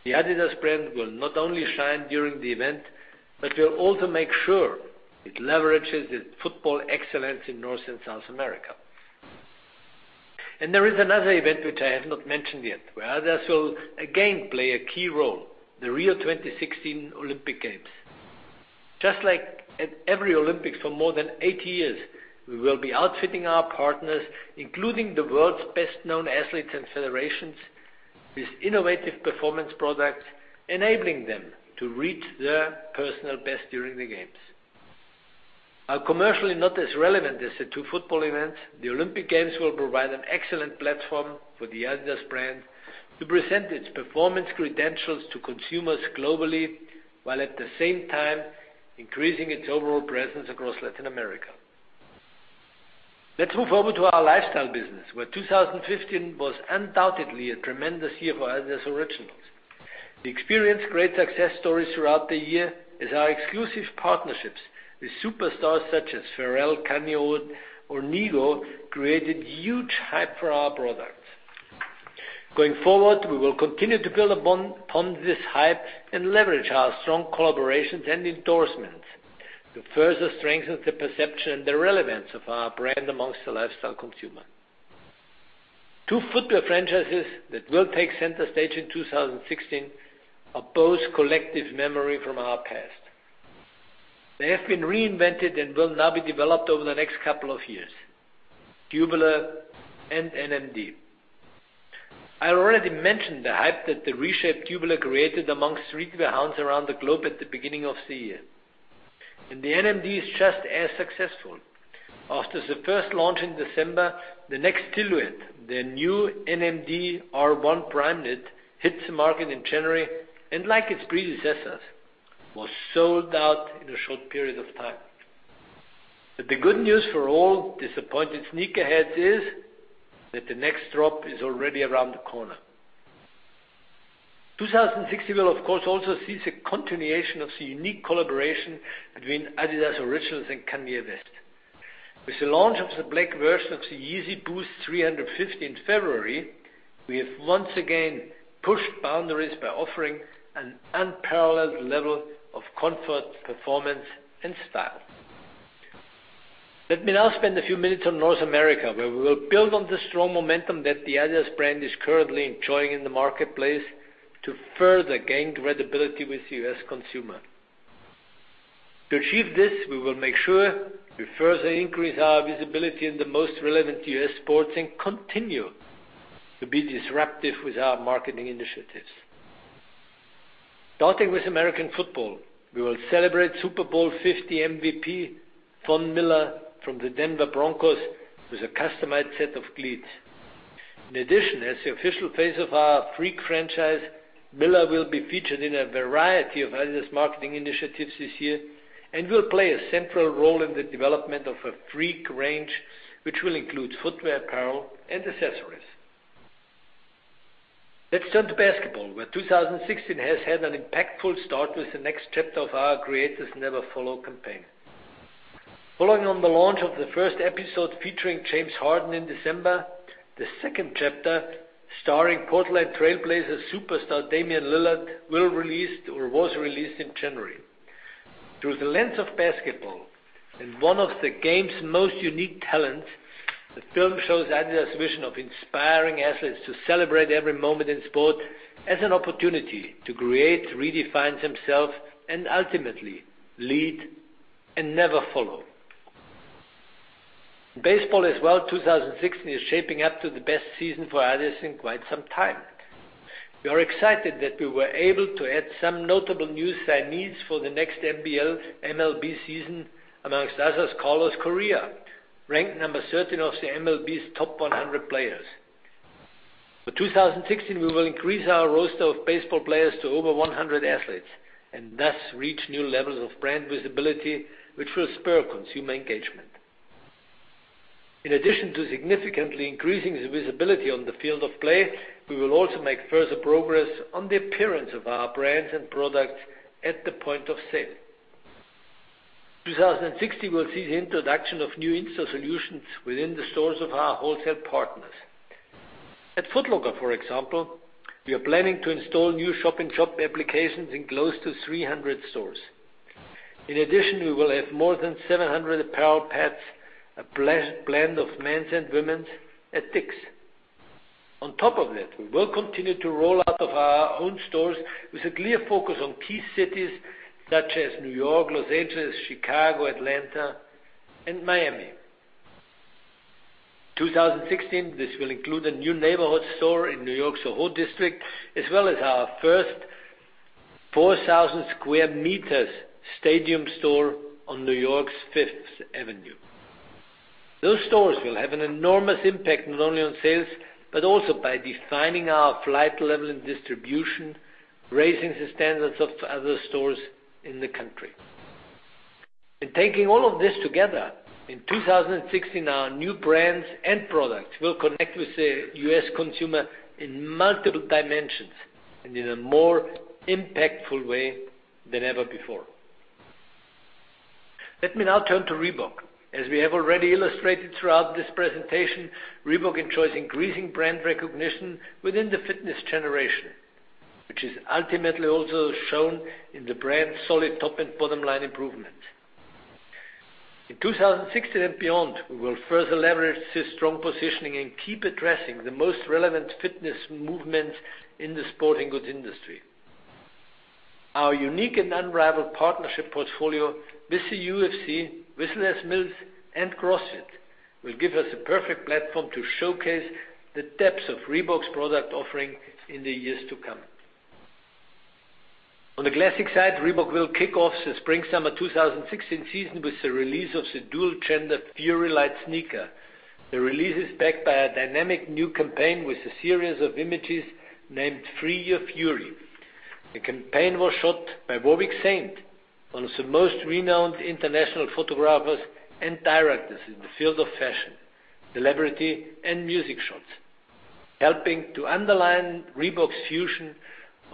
The adidas brand will not only shine during the event, but will also make sure it leverages its football excellence in North and South America. There is another event which I have not mentioned yet, where others will again play a key role, the Rio 2016 Olympic Games. Just like at every Olympics for more than 80 years, we will be outfitting our partners, including the world's best-known athletes and federations, with innovative performance products, enabling them to reach their personal best during the games. Are commercially not as relevant as the two football events, the Olympic Games will provide an excellent platform for the adidas brand to present its performance credentials to consumers globally, while at the same time, increasing its overall presence across Latin America. Let's move over to our lifestyle business, where 2015 was undoubtedly a tremendous year for adidas Originals. We experienced great success stories throughout the year as our exclusive partnerships with superstars such as Pharrell, Kanye West, or Nigo created huge hype for our products. Going forward, we will continue to build upon this hype and leverage our strong collaborations and endorsements to further strengthen the perception and the relevance of our brand amongst the lifestyle consumer. Two footwear franchises that will take center stage in 2016 are both collective memory from our past. They have been reinvented and will now be developed over the next couple of years, Tubular and NMD. I already mentioned the hype that the reshaped Tubular created amongst streetwear hounds around the globe at the beginning of the year. The NMD is just as successful. After the first launch in December, the next silhouette, the new NMD R1 Primeknit, hit the market in January, and like its predecessors, was sold out in a short period of time. The good news for all disappointed sneakerheads is that the next drop is already around the corner. 2016 will, of course, also see the continuation of the unique collaboration between adidas Originals and Kanye West. With the launch of the black version of the Yeezy Boost 350 in February, we have once again pushed boundaries by offering an unparalleled level of comfort, performance, and style. Let me now spend a few minutes on North America, where we will build on the strong momentum that the adidas brand is currently enjoying in the marketplace to further gain credibility with the U.S. consumer. To achieve this, we will make sure we further increase our visibility in the most relevant U.S. sports and continue to be disruptive with our marketing initiatives. Starting with American football, we will celebrate Super Bowl 50 MVP Von Miller from the Denver Broncos with a customized set of cleats. In addition, as the official face of our Freak franchise, Miller will be featured in a variety of adidas marketing initiatives this year and will play a central role in the development of a Freak range, which will include footwear, apparel, and accessories. Let's turn to basketball, where 2016 has had an impactful start with the next chapter of our Creators Never Follow campaign. Following on the launch of the first episode featuring James Harden in December, the second chapter starring Portland Trail Blazers superstar Damian Lillard will release or was released in January. Through the lens of basketball and one of the game's most unique talent, the film shows adidas vision of inspiring athletes to celebrate every moment in sport as an opportunity to create, redefine themselves, and ultimately lead and never follow. Baseball as well, 2016 is shaping up to the best season for adidas in quite some time. We are excited that we were able to add some notable new signees for the next MLB season, amongst others, Carlos Correa, ranked number 13 of the MLB's top 100 players. For 2016, we will increase our roster of baseball players to over 100 athletes, and thus reach new levels of brand visibility, which will spur consumer engagement. In addition to significantly increasing the visibility on the field of play, we will also make further progress on the appearance of our brands and products at the point of sale. 2016 will see the introduction of new in-store solutions within the stores of our wholesale partners. At Foot Locker, for example, we are planning to install new shop-in-shop applications in close to 300 stores. In addition, we will have more than 700 apparel pads, a blend of men's and women's, at Dick's. On top of that, we will continue to roll out of our own stores with a clear focus on key cities such as New York, Los Angeles, Chicago, Atlanta, and Miami. 2016, this will include a new neighborhood store in New York's Soho district, as well as our first 4,000 sq m stadium store on New York's Fifth Avenue. Those stores will have an enormous impact not only on sales, but also by defining our flight level and distribution, raising the standards of other stores in the country. In taking all of this together, in 2016, our new brands and products will connect with the U.S. consumer in multiple dimensions and in a more impactful way than ever before. Let me now turn to Reebok. As we have already illustrated throughout this presentation, Reebok enjoys increasing brand recognition within the fitness generation, which is ultimately also shown in the brand's solid top and bottom line improvement. In 2016 and beyond, we will further leverage this strong positioning and keep addressing the most relevant fitness movements in the sporting goods industry. Our unique and unrivaled partnership portfolio with the UFC, Les Mills, and CrossFit, will give us a perfect platform to showcase the depths of Reebok's product offering in the years to come. On the classic side, Reebok will kick off the spring/summer 2016 season with the release of the dual-gender Furylite sneaker. The release is backed by a dynamic new campaign with a series of images named Free Your Fury. The campaign was shot by Warwick Saint, one of the most renowned international photographers and directors in the field of fashion, celebrity, and music shots, helping to underline Reebok's fusion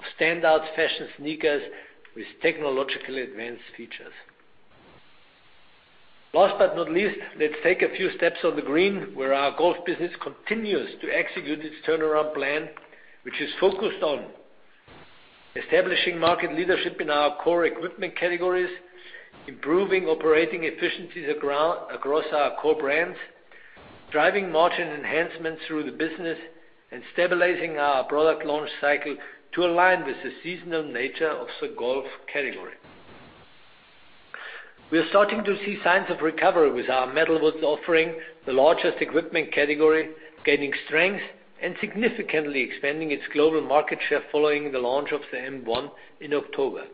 of standout fashion sneakers with technologically advanced features. Last but not least, let's take a few steps on the green, where our golf business continues to execute its turnaround plan, which is focused on establishing market leadership in our core equipment categories, improving operating efficiency across our core brands, driving margin enhancements through the business, and stabilizing our product launch cycle to align with the seasonal nature of the golf category. We are starting to see signs of recovery with our metalwoods offering, the largest equipment category, gaining strength and significantly expanding its global market share following the launch of the M1 in October.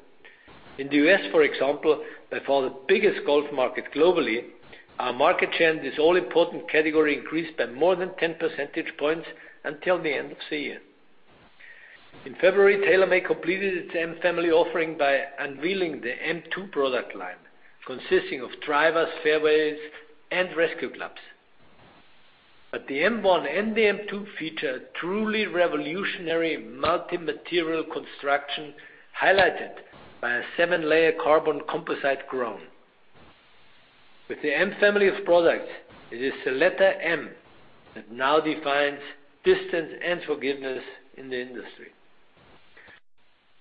In the U.S., for example, by far the biggest golf market globally, our market share in this all-important category increased by more than 10 percentage points until the end of the year. In February, TaylorMade completed its M family offering by unveiling the M2 product line, consisting of drivers, fairways, and rescue clubs. The M1 and the M2 feature truly revolutionary multi-material construction, highlighted by a seven-layer carbon composite crown. With the M family of products, it is the letter M that now defines distance and forgiveness in the industry.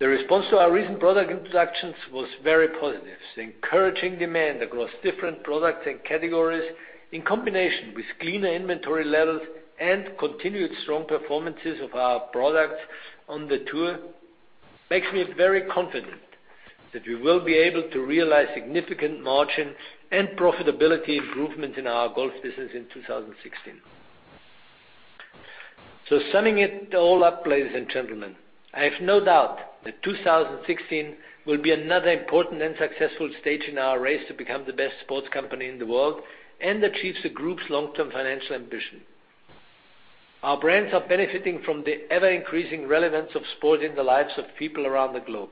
The response to our recent product introductions was very positive. The encouraging demand across different products and categories, in combination with cleaner inventory levels and continued strong performances of our products on the tour, makes me very confident that we will be able to realize significant margin and profitability improvement in our golf business in 2016. Summing it all up, ladies and gentlemen, I have no doubt that 2016 will be another important and successful stage in our race to become the best sports company in the world and achieve the group's long-term financial ambition. Our brands are benefiting from the ever-increasing relevance of sport in the lives of people around the globe.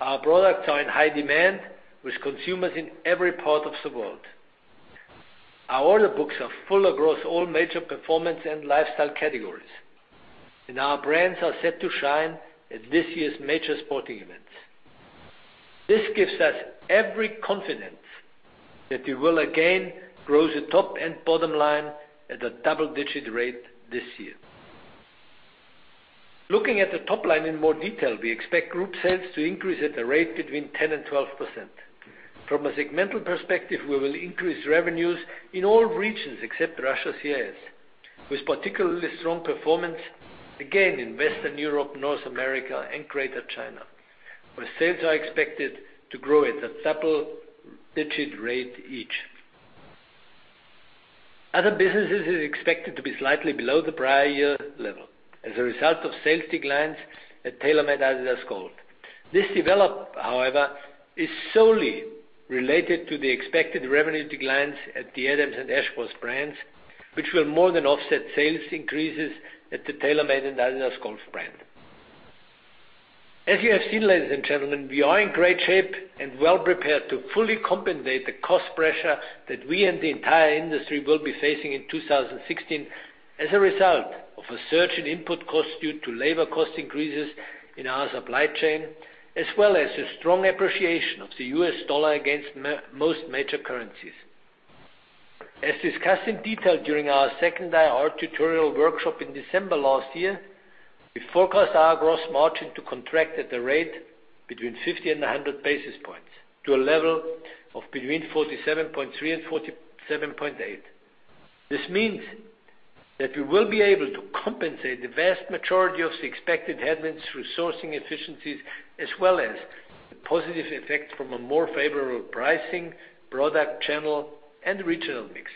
Our products are in high demand with consumers in every part of the world. Our order books are full across all major performance and lifestyle categories, and our brands are set to shine at this year's major sporting events. This gives us every confidence that we will again grow the top and bottom line at a double-digit rate this year. Looking at the top line in more detail, we expect group sales to increase at a rate between 10% and 12%. From a segmental perspective, we will increase revenues in all regions except Russia/CIS, with particularly strong performance again in Western Europe, North America, and Greater China, where sales are expected to grow at a double-digit rate each. Other businesses is expected to be slightly below the prior year level as a result of sales declines at TaylorMade-adidas Golf. This development, however, is solely related to the expected revenue declines at the Adams and Ashworth brands, which will more than offset sales increases at the TaylorMade and Adidas Golf brand. As you have seen, ladies and gentlemen, we are in great shape and well-prepared to fully compensate the cost pressure that we and the entire industry will be facing in 2016 as a result of a surge in input costs due to labor cost increases in our supply chain, as well as the strong appreciation of the U.S. dollar against most major currencies. As discussed in detail during our 2nd IR Tutorial Workshop 2015 in December last year, we forecast our gross margin to contract at a rate between 50 and 100 basis points to a level of between 47.3% and 47.8%. This means that we will be able to compensate the vast majority of the expected headwinds through sourcing efficiencies as well as the positive effect from a more favorable pricing, product channel, and regional mix.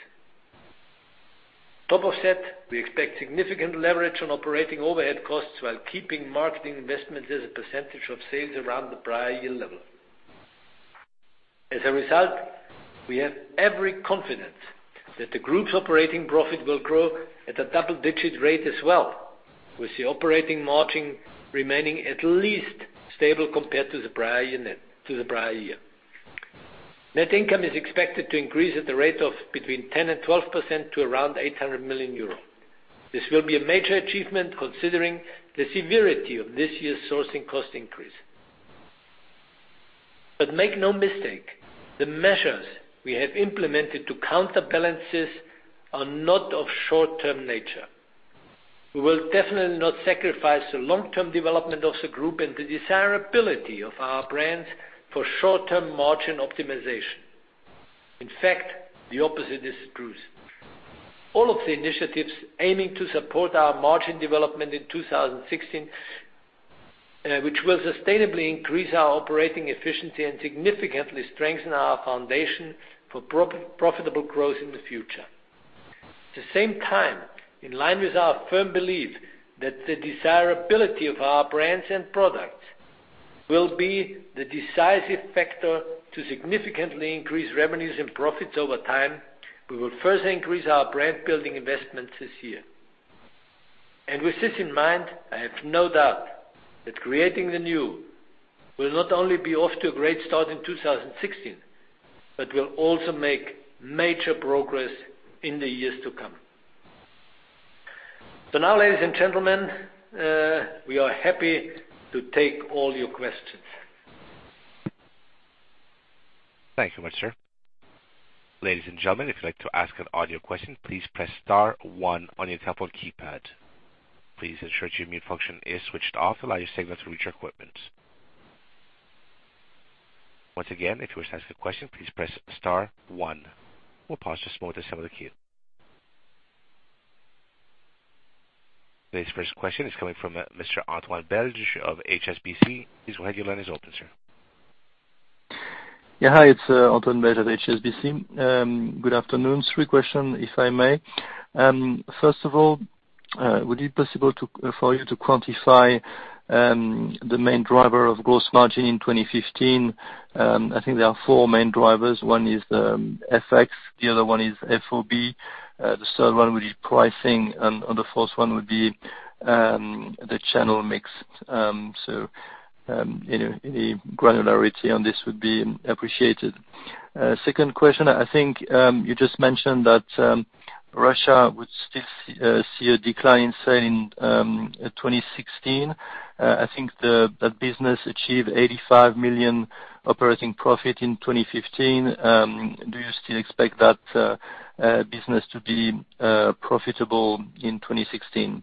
On top of that, we expect significant leverage on operating overhead costs while keeping marketing investments as a percentage of sales around the prior year level. As a result, we have every confidence that the group's operating profit will grow at a double-digit rate as well. With the operating margin remaining at least stable compared to the prior year. Net income is expected to increase at the rate of between 10% and 12% to around 800 million euros. This will be a major achievement, considering the severity of this year's sourcing cost increase. Make no mistake, the measures we have implemented to counter balances are not of short-term nature. We will definitely not sacrifice the long-term development of the group and the desirability of our brands for short-term margin optimization. In fact, the opposite is true. All of the initiatives aiming to support our margin development in 2016, which will sustainably increase our operating efficiency and significantly strengthen our foundation for profitable growth in the future. At the same time, in line with our firm belief that the desirability of our brands and products will be the decisive factor to significantly increase revenues and profits over time, we will further increase our brand-building investments this year. With this in mind, I have no doubt that Creating the New will not only be off to a great start in 2016, but will also make major progress in the years to come. Now, ladies and gentlemen, we are happy to take all your questions. Thank you much, sir. Ladies and gentlemen, if you'd like to ask an audio question, please press star one on your telephone keypad. Please ensure that your mute function is switched off to allow your signal to reach our equipment. Once again, if you wish to ask a question, please press star one. We'll pause just a moment until some of the cues. This first question is coming from Mr. Antoine Belge of HSBC. Please go ahead. Your line is open, sir. Hi, it's Antoine Belge at HSBC. Good afternoon. Three question, if I may. First of all, would it be possible for you to quantify the main driver of gross margin in 2015? I think there are four main drivers. One is the FX, the other one is FOB. The third one would be pricing, and the fourth one would be the channel mix. Any granularity on this would be appreciated. Second question, I think, you just mentioned that Russia would still see a decline in sale in 2016. I think that business achieved 85 million operating profit in 2015. Do you still expect that business to be profitable in 2016?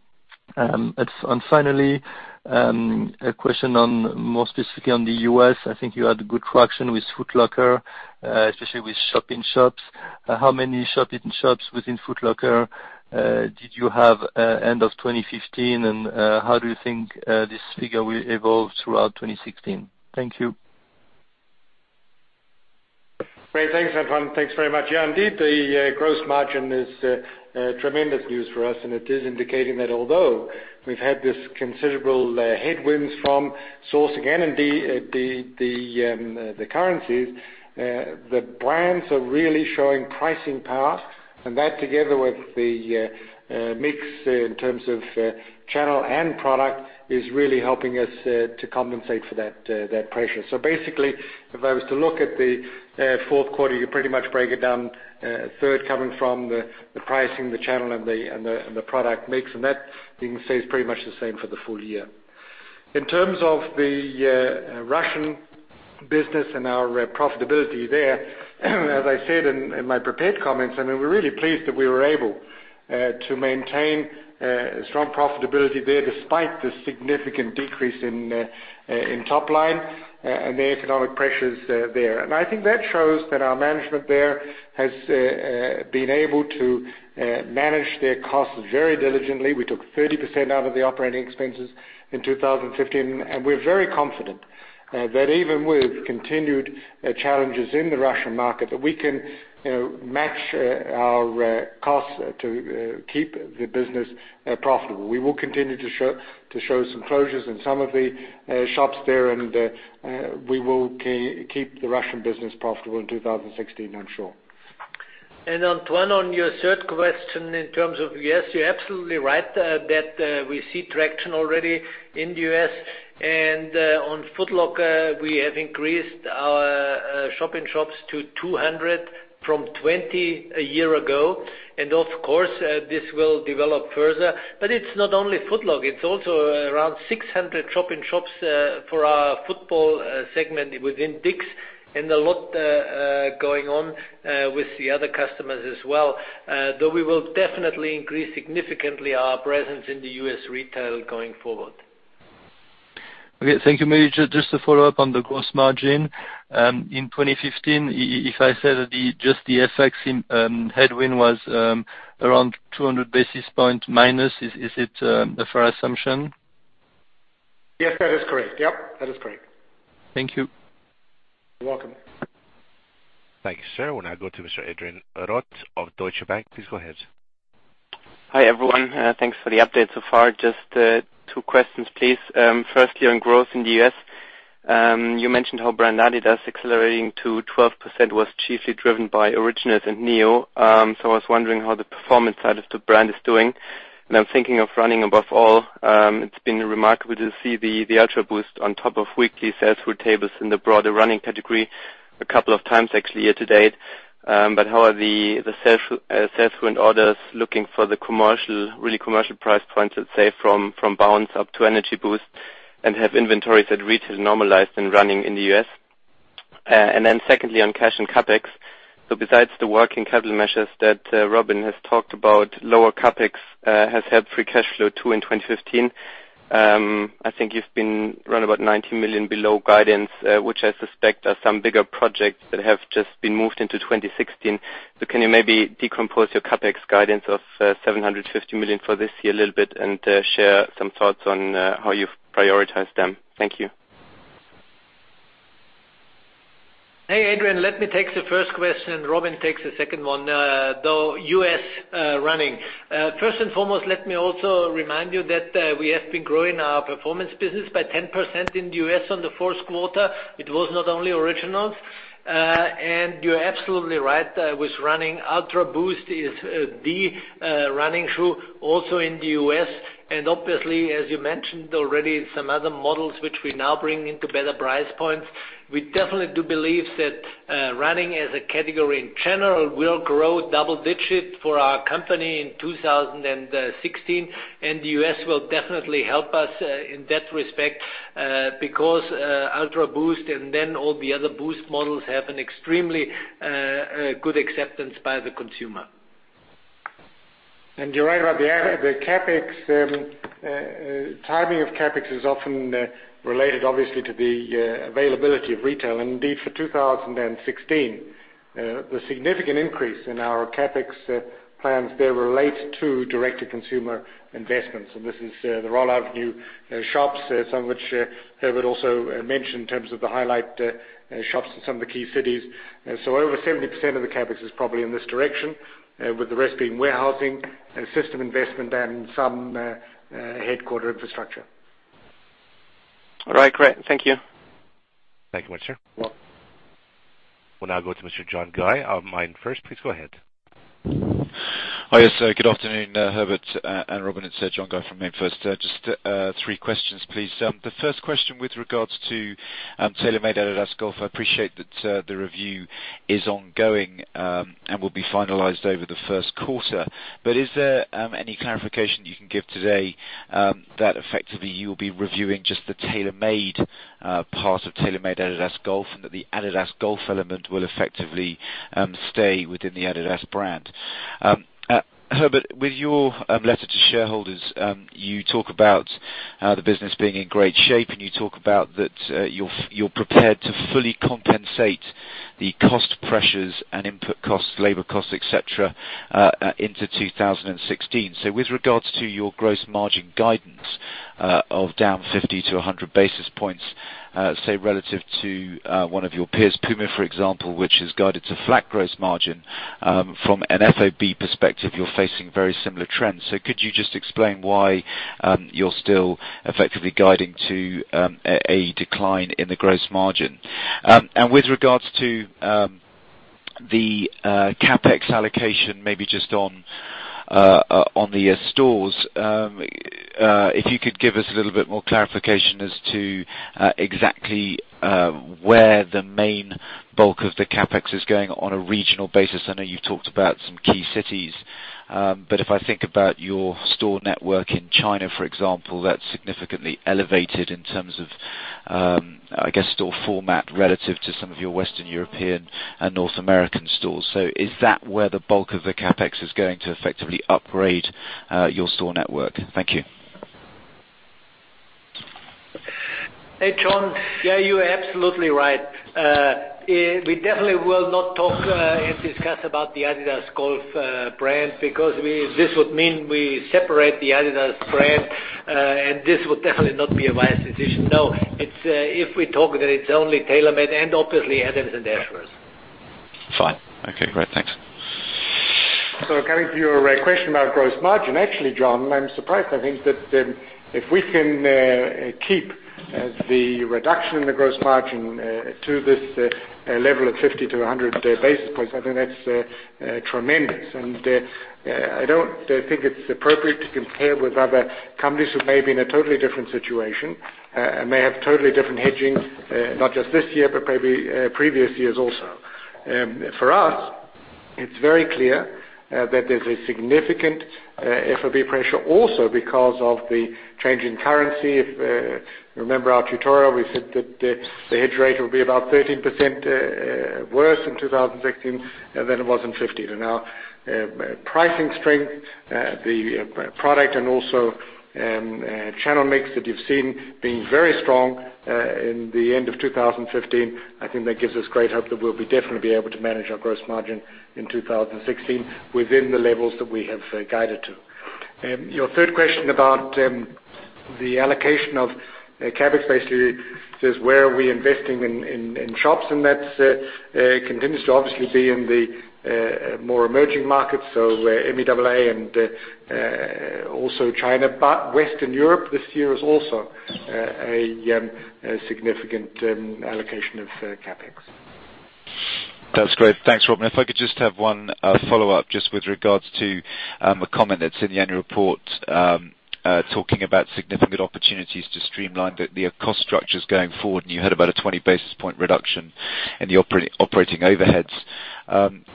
Finally, a question more specifically on the U.S. I think you had good traction with Foot Locker, especially with shop-in-shops. How many shop-in-shops within Foot Locker did you have end of 2015, and how do you think this figure will evolve throughout 2016? Thank you. Great. Thanks, Antoine. Thanks very much. Indeed, the gross margin is tremendous news for us, and it is indicating that although we've had this considerable headwinds from sourcing and indeed the currencies, the brands are really showing pricing power. That, together with the mix in terms of channel and product, is really helping us to compensate for that pressure. Basically, if I was to look at the fourth quarter, you pretty much break it down, a third coming from the pricing, the channel, and the product mix. That, you can say, is pretty much the same for the full year. In terms of the Russian business and our profitability there, as I said in my prepared comments, we're really pleased that we were able to maintain strong profitability there despite the significant decrease in top line and the economic pressures there. I think that shows that our management there has been able to manage their costs very diligently. We took 30% out of the operating expenses in 2015, and we're very confident that even with continued challenges in the Russian market, that we can match our costs to keep the business profitable. We will continue to show some closures in some of the shops there, and we will keep the Russian business profitable in 2016, I'm sure. Antoine, on your third question, in terms of U.S., you're absolutely right that we see traction already in the U.S. On Foot Locker, we have increased our shop-in-shops to 200 from 20 a year ago. Of course, this will develop further. It's not only Foot Locker, it's also around 600 shop-in-shops for our football segment within DICK'S, and a lot going on with the other customers as well. We will definitely increase significantly our presence in the U.S. retail going forward. Okay. Thank you. Maybe just a follow-up on the gross margin. In 2015, if I said just the FX headwind was around 200 basis points minus, is it a fair assumption? Yes, that is correct. Yep. Thank you. You're welcome. Thank you, sir. We'll now go to Mr. Adrian Rott of Deutsche Bank. Please go ahead. Hi, everyone. Thanks for the update so far. Just two questions, please. Firstly, on growth in the U.S., you mentioned how brand adidas accelerating to 12% was chiefly driven by adidas Originals and adidas Neo. I was wondering how the performance side of the brand is doing, and I'm thinking of running above all. It's been remarkable to see the Ultraboost on top of weekly sales through tables in the broader running category a couple of times actually, year to date. How are the sales through and orders looking for the really commercial price points, let's say, from Bounce up to Energy Boost, and have inventories at retail normalized and running in the U.S.? Secondly, on cash and CapEx. Besides the working capital measures that Robin has talked about, lower CapEx has helped free cash flow too in 2015. I think you've been around 90 million below guidance, which I suspect are some bigger projects that have just been moved into 2016. Can you maybe decompose your CapEx guidance of 750 million for this year a little bit, and share some thoughts on how you've prioritized them? Thank you. Hey, Adrian. Let me take the first question, Robin takes the second one, though U.S. running. First and foremost, let me also remind you that we have been growing our performance business by 10% in the U.S. in the first quarter. It was not only adidas Originals. You're absolutely right with running. Ultraboost is the running shoe, also in the U.S., and obviously, as you mentioned already, some other models which we now bring into better price points. We definitely do believe that running as a category in general will grow double digits for our company in 2016, and the U.S. will definitely help us in that respect because Ultraboost and then all the other Boost models have an extremely good acceptance by the consumer. You're right about the CapEx. Timing of CapEx is often related, obviously, to the availability of retail. Indeed, for 2016, the significant increase in our CapEx plans there relate to direct-to-consumer investments. This is the rollout of new shops, some of which Herbert also mentioned in terms of the highlight shops in some of the key cities. Over 70% of the CapEx is probably in this direction, with the rest being warehousing, system investment, and some headquarter infrastructure. All right, great. Thank you. Thank you much, sir. You're welcome. We'll now go to Mr. John Guy, of MainFirst. Please go ahead. Hi. Yes, good afternoon, Herbert and Robin. It's John Guy from MainFirst. Just three questions, please. The first question with regards to TaylorMade-adidas Golf, I appreciate that the review is ongoing and will be finalized over the first quarter. Is there any clarification you can give today that effectively you will be reviewing just the TaylorMade part of TaylorMade-adidas Golf and that the adidas Golf element will effectively stay within the adidas brand? Herbert, with your letter to shareholders, you talk about the business being in great shape, and you talk about that you're prepared to fully compensate the cost pressures and input costs, labor costs, et cetera, into 2016. With regards to your gross margin guidance of down 50-100 basis points, say, relative to one of your peers, Puma, for example, which has guided to flat gross margin. From an FOB perspective, you're facing very similar trends. Could you just explain why you're still effectively guiding to a decline in the gross margin? With regards to the CapEx allocation, maybe just on the stores, if you could give us a little bit more clarification as to exactly where the main bulk of the CapEx is going on a regional basis. I know you talked about some key cities. If I think about your store network in China, for example, that's significantly elevated in terms of, I guess, store format relative to some of your Western European and North American stores. Is that where the bulk of the CapEx is going to effectively upgrade your store network? Thank you. Hey, John. Yes, you are absolutely right. We definitely will not talk and discuss about the adidas Golf brand because this would mean we separate the adidas brand, and this would definitely not be a wise decision. No. If we talk, it's only TaylorMade and obviously Adams and Ashworth. Fine. Okay, great. Thanks. Coming to your question about gross margin, actually, John, I'm surprised. I think that if we can keep the reduction in the gross margin to this level of 50 to 100 basis points, I think that's tremendous. I don't think it's appropriate to compare with other companies who may be in a totally different situation and may have totally different hedging, not just this year, but maybe previous years also. For us it's very clear that there's a significant FOB pressure also because of the change in currency. If you remember our tutorial, we said that the hedge rate will be about 13% worse in 2016 than it was in 2015. Pricing strength, the product, and also channel mix that you've seen being very strong in the end of 2015, I think that gives us great hope that we'll definitely be able to manage our gross margin in 2016 within the levels that we have guided to. Your third question about the allocation of CapEx, basically says where are we investing in shops? That continues to obviously be in the more emerging markets, so MEAA and also China. Western Europe this year is also a significant allocation of CapEx. That's great. Thanks, Robin. If I could just have one follow-up just with regards to a comment that's in the annual report, talking about significant opportunities to streamline the cost structures going forward, and you heard about a 20 basis point reduction in the operating overheads.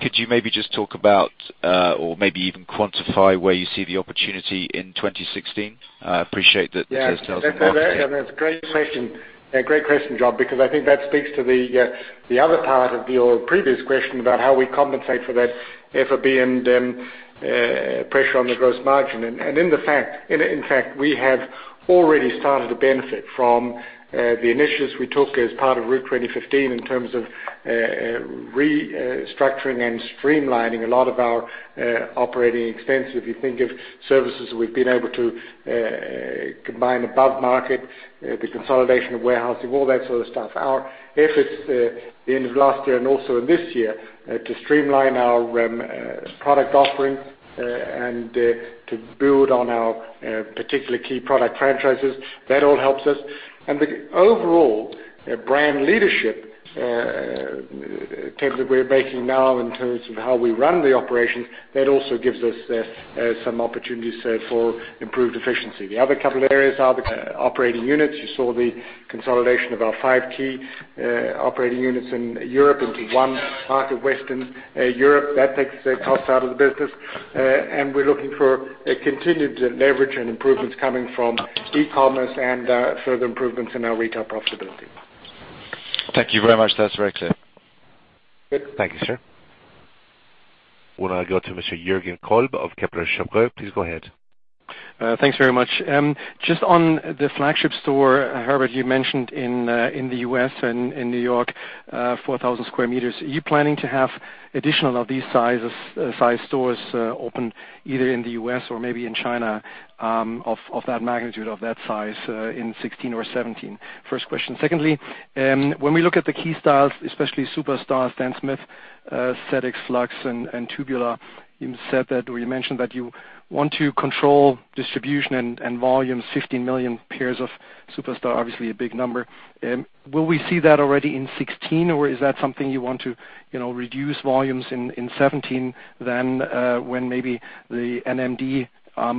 Could you maybe just talk about or maybe even quantify where you see the opportunity in 2016? That's a great question. Great question, John, because I think that speaks to the other part of your previous question about how we compensate for that FOB and pressure on the gross margin. In fact, we have already started to benefit from the initiatives we took as part of Route 2015 in terms of restructuring and streamlining a lot of our operating expenses. If you think of services, we've been able to combine above market, the consolidation of warehousing, all that sort of stuff. Our efforts at the end of last year and also in this year to streamline our product offering and to build on our particular key product franchises, that all helps us. The overall brand leadership template we're making now in terms of how we run the operations, that also gives us some opportunities for improved efficiency. The other couple areas are the operating units. You saw the consolidation of our five key operating units in Europe into one part of Western Europe. That takes a cost out of the business. We're looking for continued leverage and improvements coming from e-commerce and further improvements in our retail profitability. Thank you very much. That's very clear. Good. Thank you, sir. We'll now go to Mr. Jürgen Kolb of Kepler Cheuvreux. Please go ahead. Thanks very much. Just on the flagship store, Herbert, you mentioned in the U.S. and in New York, 4,000 sq m. Are you planning to have additional of these size stores open either in the U.S. or maybe in China, of that magnitude of that size in 2016 or 2017? First question. Secondly, when we look at the key styles, especially Superstar, Stan Smith, ZX Flux and Tubular, you mentioned that you want to control distribution and volume, 15 million pairs of Superstar, obviously a big number. Will we see that already in 2016, or is that something you want to reduce volumes in 2017 than when maybe the NMD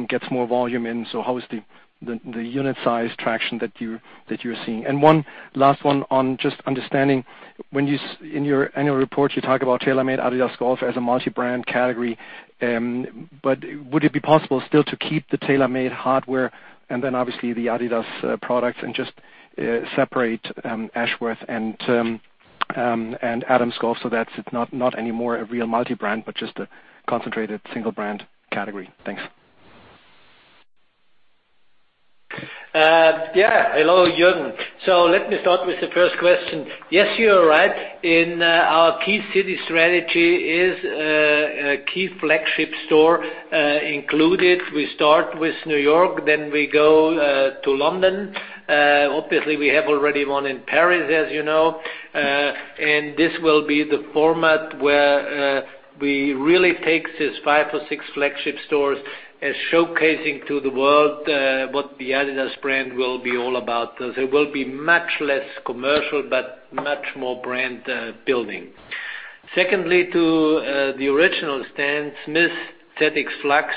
gets more volume in? How is the unit size traction that you're seeing? One last one on just understanding, in your annual report, you talk about TaylorMade-adidas Golf as a multi-brand category. Would it be possible still to keep the TaylorMade hardware and then obviously the adidas products and just separate Ashworth and Adams Golf so that it's not anymore a real multi-brand but just a concentrated single-brand category? Thanks. Yeah. Hello, Jürgen. Let me start with the first question. Yes, you are right. In our key city strategy is a key flagship store included. We start with New York, then we go to London. Obviously, we have already one in Paris, as you know. This will be the format where we really take these five or six flagship stores as showcasing to the world what the adidas brand will be all about. They will be much less commercial but much more brand building. Secondly, to the original Stan Smith, ZX Flux.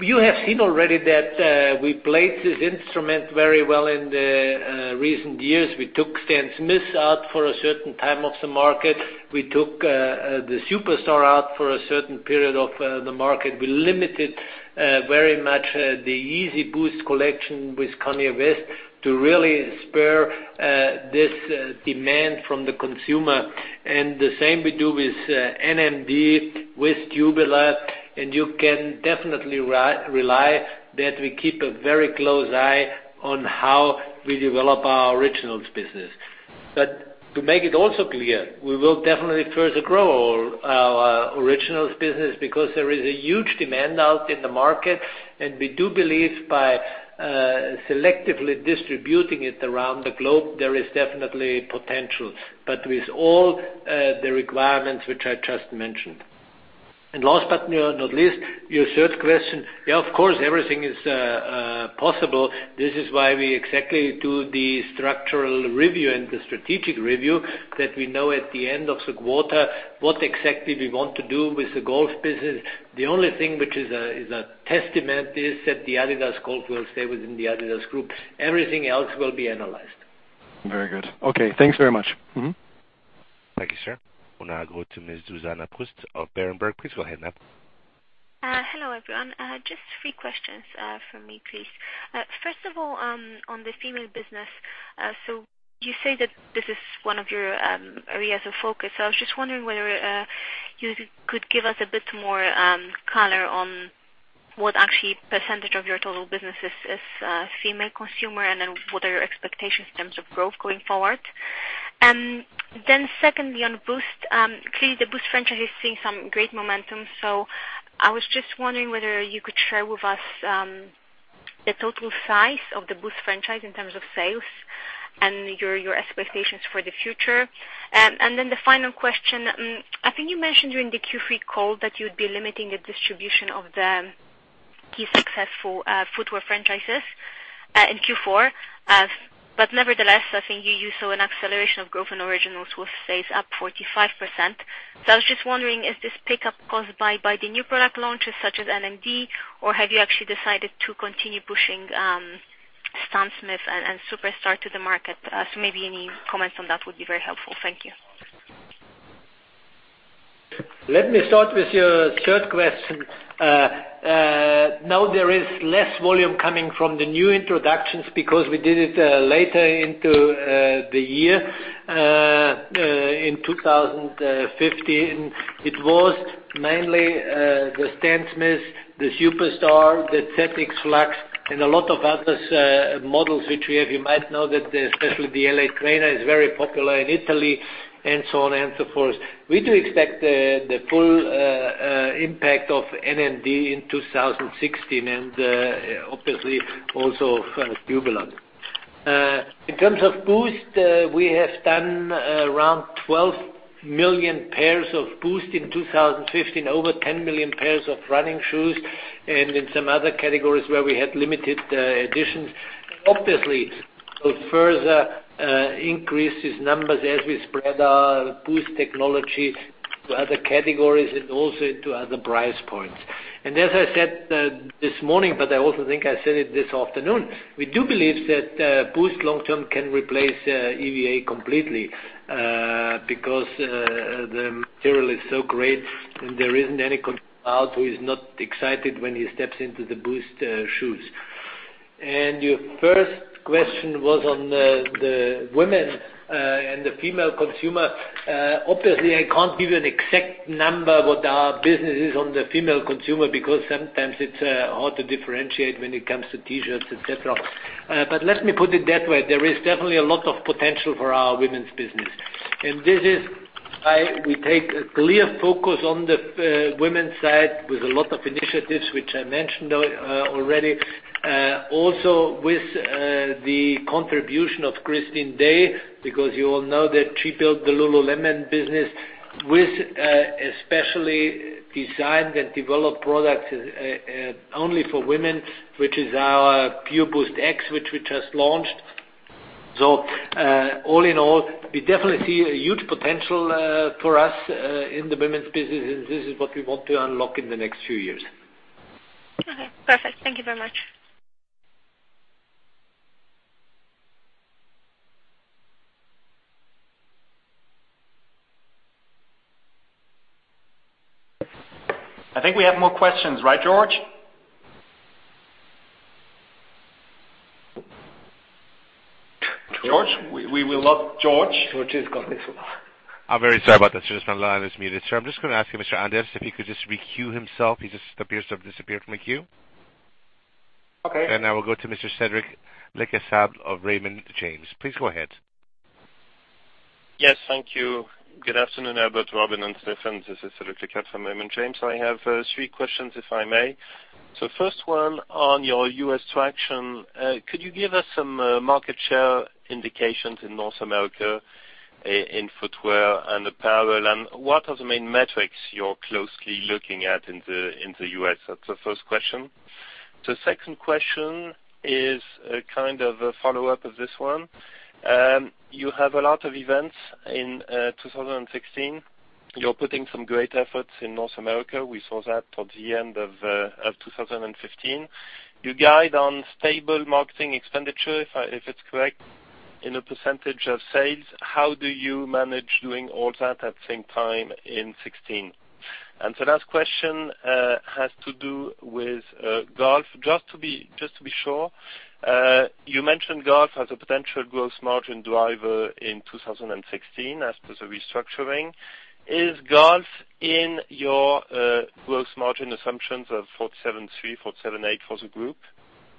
You have seen already that we played this instrument very well in the recent years. We took Stan Smith out for a certain time of the market. We took the Superstar out for a certain period of the market. We limited very much the Yeezy Boost collection with Kanye West to really spur this demand from the consumer. The same we do with NMD, with Tubular, and you can definitely rely that we keep a very close eye on how we develop our Originals business. To make it also clear, we will definitely further grow our Originals business because there is a huge demand out in the market, and we do believe by selectively distributing it around the globe, there is definitely potential. With all the requirements which I just mentioned. Last but not least, your third question. Yeah, of course, everything is possible. This is why we exactly do the structural review and the strategic review that we know at the end of the quarter what exactly we want to do with the golf business. The only thing which is a testament is that the Adidas Golf will stay within the adidas Group. Everything else will be analyzed. Very good. Okay. Thanks very much. Thank you, sir. We'll now go to Ms. Zuzanna Pusz of Berenberg. Please go ahead, ma'am. Hello, everyone. Just three questions from me, please. First of all, on the female business. You say that this is one of your areas of focus. I was just wondering whether you could give us a bit more color on what actually percentage of your total business is female consumer, and then what are your expectations in terms of growth going forward. Secondly, on Boost. Clearly, the Boost franchise is seeing some great momentum, so I was just wondering whether you could share with us the total size of the Boost franchise in terms of sales and your expectations for the future. The final question, I think you mentioned during the Q3 call that you'd be limiting the distribution of the key successful footwear franchises in Q4. Nevertheless, I think you saw an acceleration of growth in Originals with sales up 45%. I was just wondering, is this pickup caused by the new product launches, such as NMD, or have you actually decided to continue pushing Stan Smith and Superstar to the market? Maybe any comments on that would be very helpful. Thank you. Let me start with your third question. Now there is less volume coming from the new introductions because we did it later into the year in 2015. It was mainly the Stan Smith, the Superstar, the ZX Flux, and a lot of other models which we have. You might know that especially the LA Trainer is very popular in Italy, and so on and so forth. We do expect the full impact of NMD in 2016, and obviously also of Tubular. In terms of Boost, we have done around 12 million pairs of Boost in 2015, over 10 million pairs of running shoes, and in some other categories where we had limited editions. Obviously, we'll further increase these numbers as we spread our Boost technology to other categories and also into other price points. As I said this morning, I also think I said it this afternoon, we do believe that Boost long term can replace EVA completely, because the material is so great and there isn't any who is not excited when he steps into the Boost shoes. Your first question was on the women and the female consumer. Obviously, I can't give you an exact number what our business is on the female consumer, because sometimes it's hard to differentiate when it comes to T-shirts, et cetera. Let me put it that way, there is definitely a lot of potential for our women's business. This is why we take a clear focus on the women's side with a lot of initiatives, which I mentioned already. With the contribution of Christine Day, because you all know that she built the Lululemon business with a specially designed and developed product only for women, which is our Pure Boost X, which we just launched. All in all, we definitely see a huge potential for us in the women's business, and this is what we want to unlock in the next few years. Perfect. Thank you very much. I think we have more questions. Right, George? George, we will love George. George has gone missing. I'm very sorry about that. It seems like the line is muted. I'm just going to ask Mr. Inderst if he could just re-queue himself. He just appears to have disappeared from the queue. Okay. Now we'll go to Mr. Cédric Lecasble of Raymond James. Please go ahead. Yes, thank you. Good afternoon, Herbert, Robin, and Steffen. This is Cédric Lecasble from Raymond James. I have three questions, if I may. First one on your U.S. traction. Could you give us some market share indications in North America in footwear and apparel, and what are the main metrics you're closely looking at in the U.S.? That's the first question. Second question is kind of a follow-up of this one. You have a lot of events in 2016. You're putting some great efforts in North America. We saw that towards the end of 2015. You guide on stable marketing expenditure, if it's correct, in a % of sales. How do you manage doing all that at the same time in 2016? The last question has to do with golf. Just to be sure, you mentioned golf as a potential gross margin driver in 2016 as per the restructuring. Is golf in your gross margin assumptions of 47.3%, 47.8% for the group?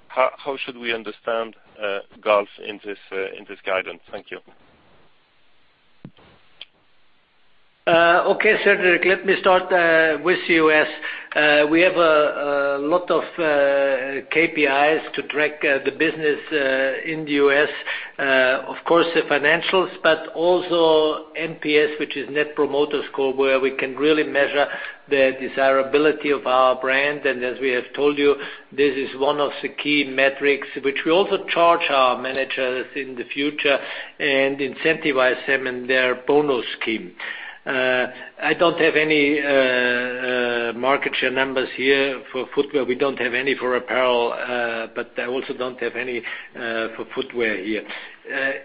How should we understand golf in this guidance? Thank you. Okay, Cédric. Let me start with U.S. We have a lot of KPIs to track the business in the U.S. Of course, the financials, but also NPS, which is net promoter score, where we can really measure the desirability of our brand. As we have told you, this is one of the key metrics which we also charge our managers in the future and incentivize them in their bonus scheme. I don't have any market share numbers here for footwear. We don't have any for apparel, but I also don't have any for footwear here.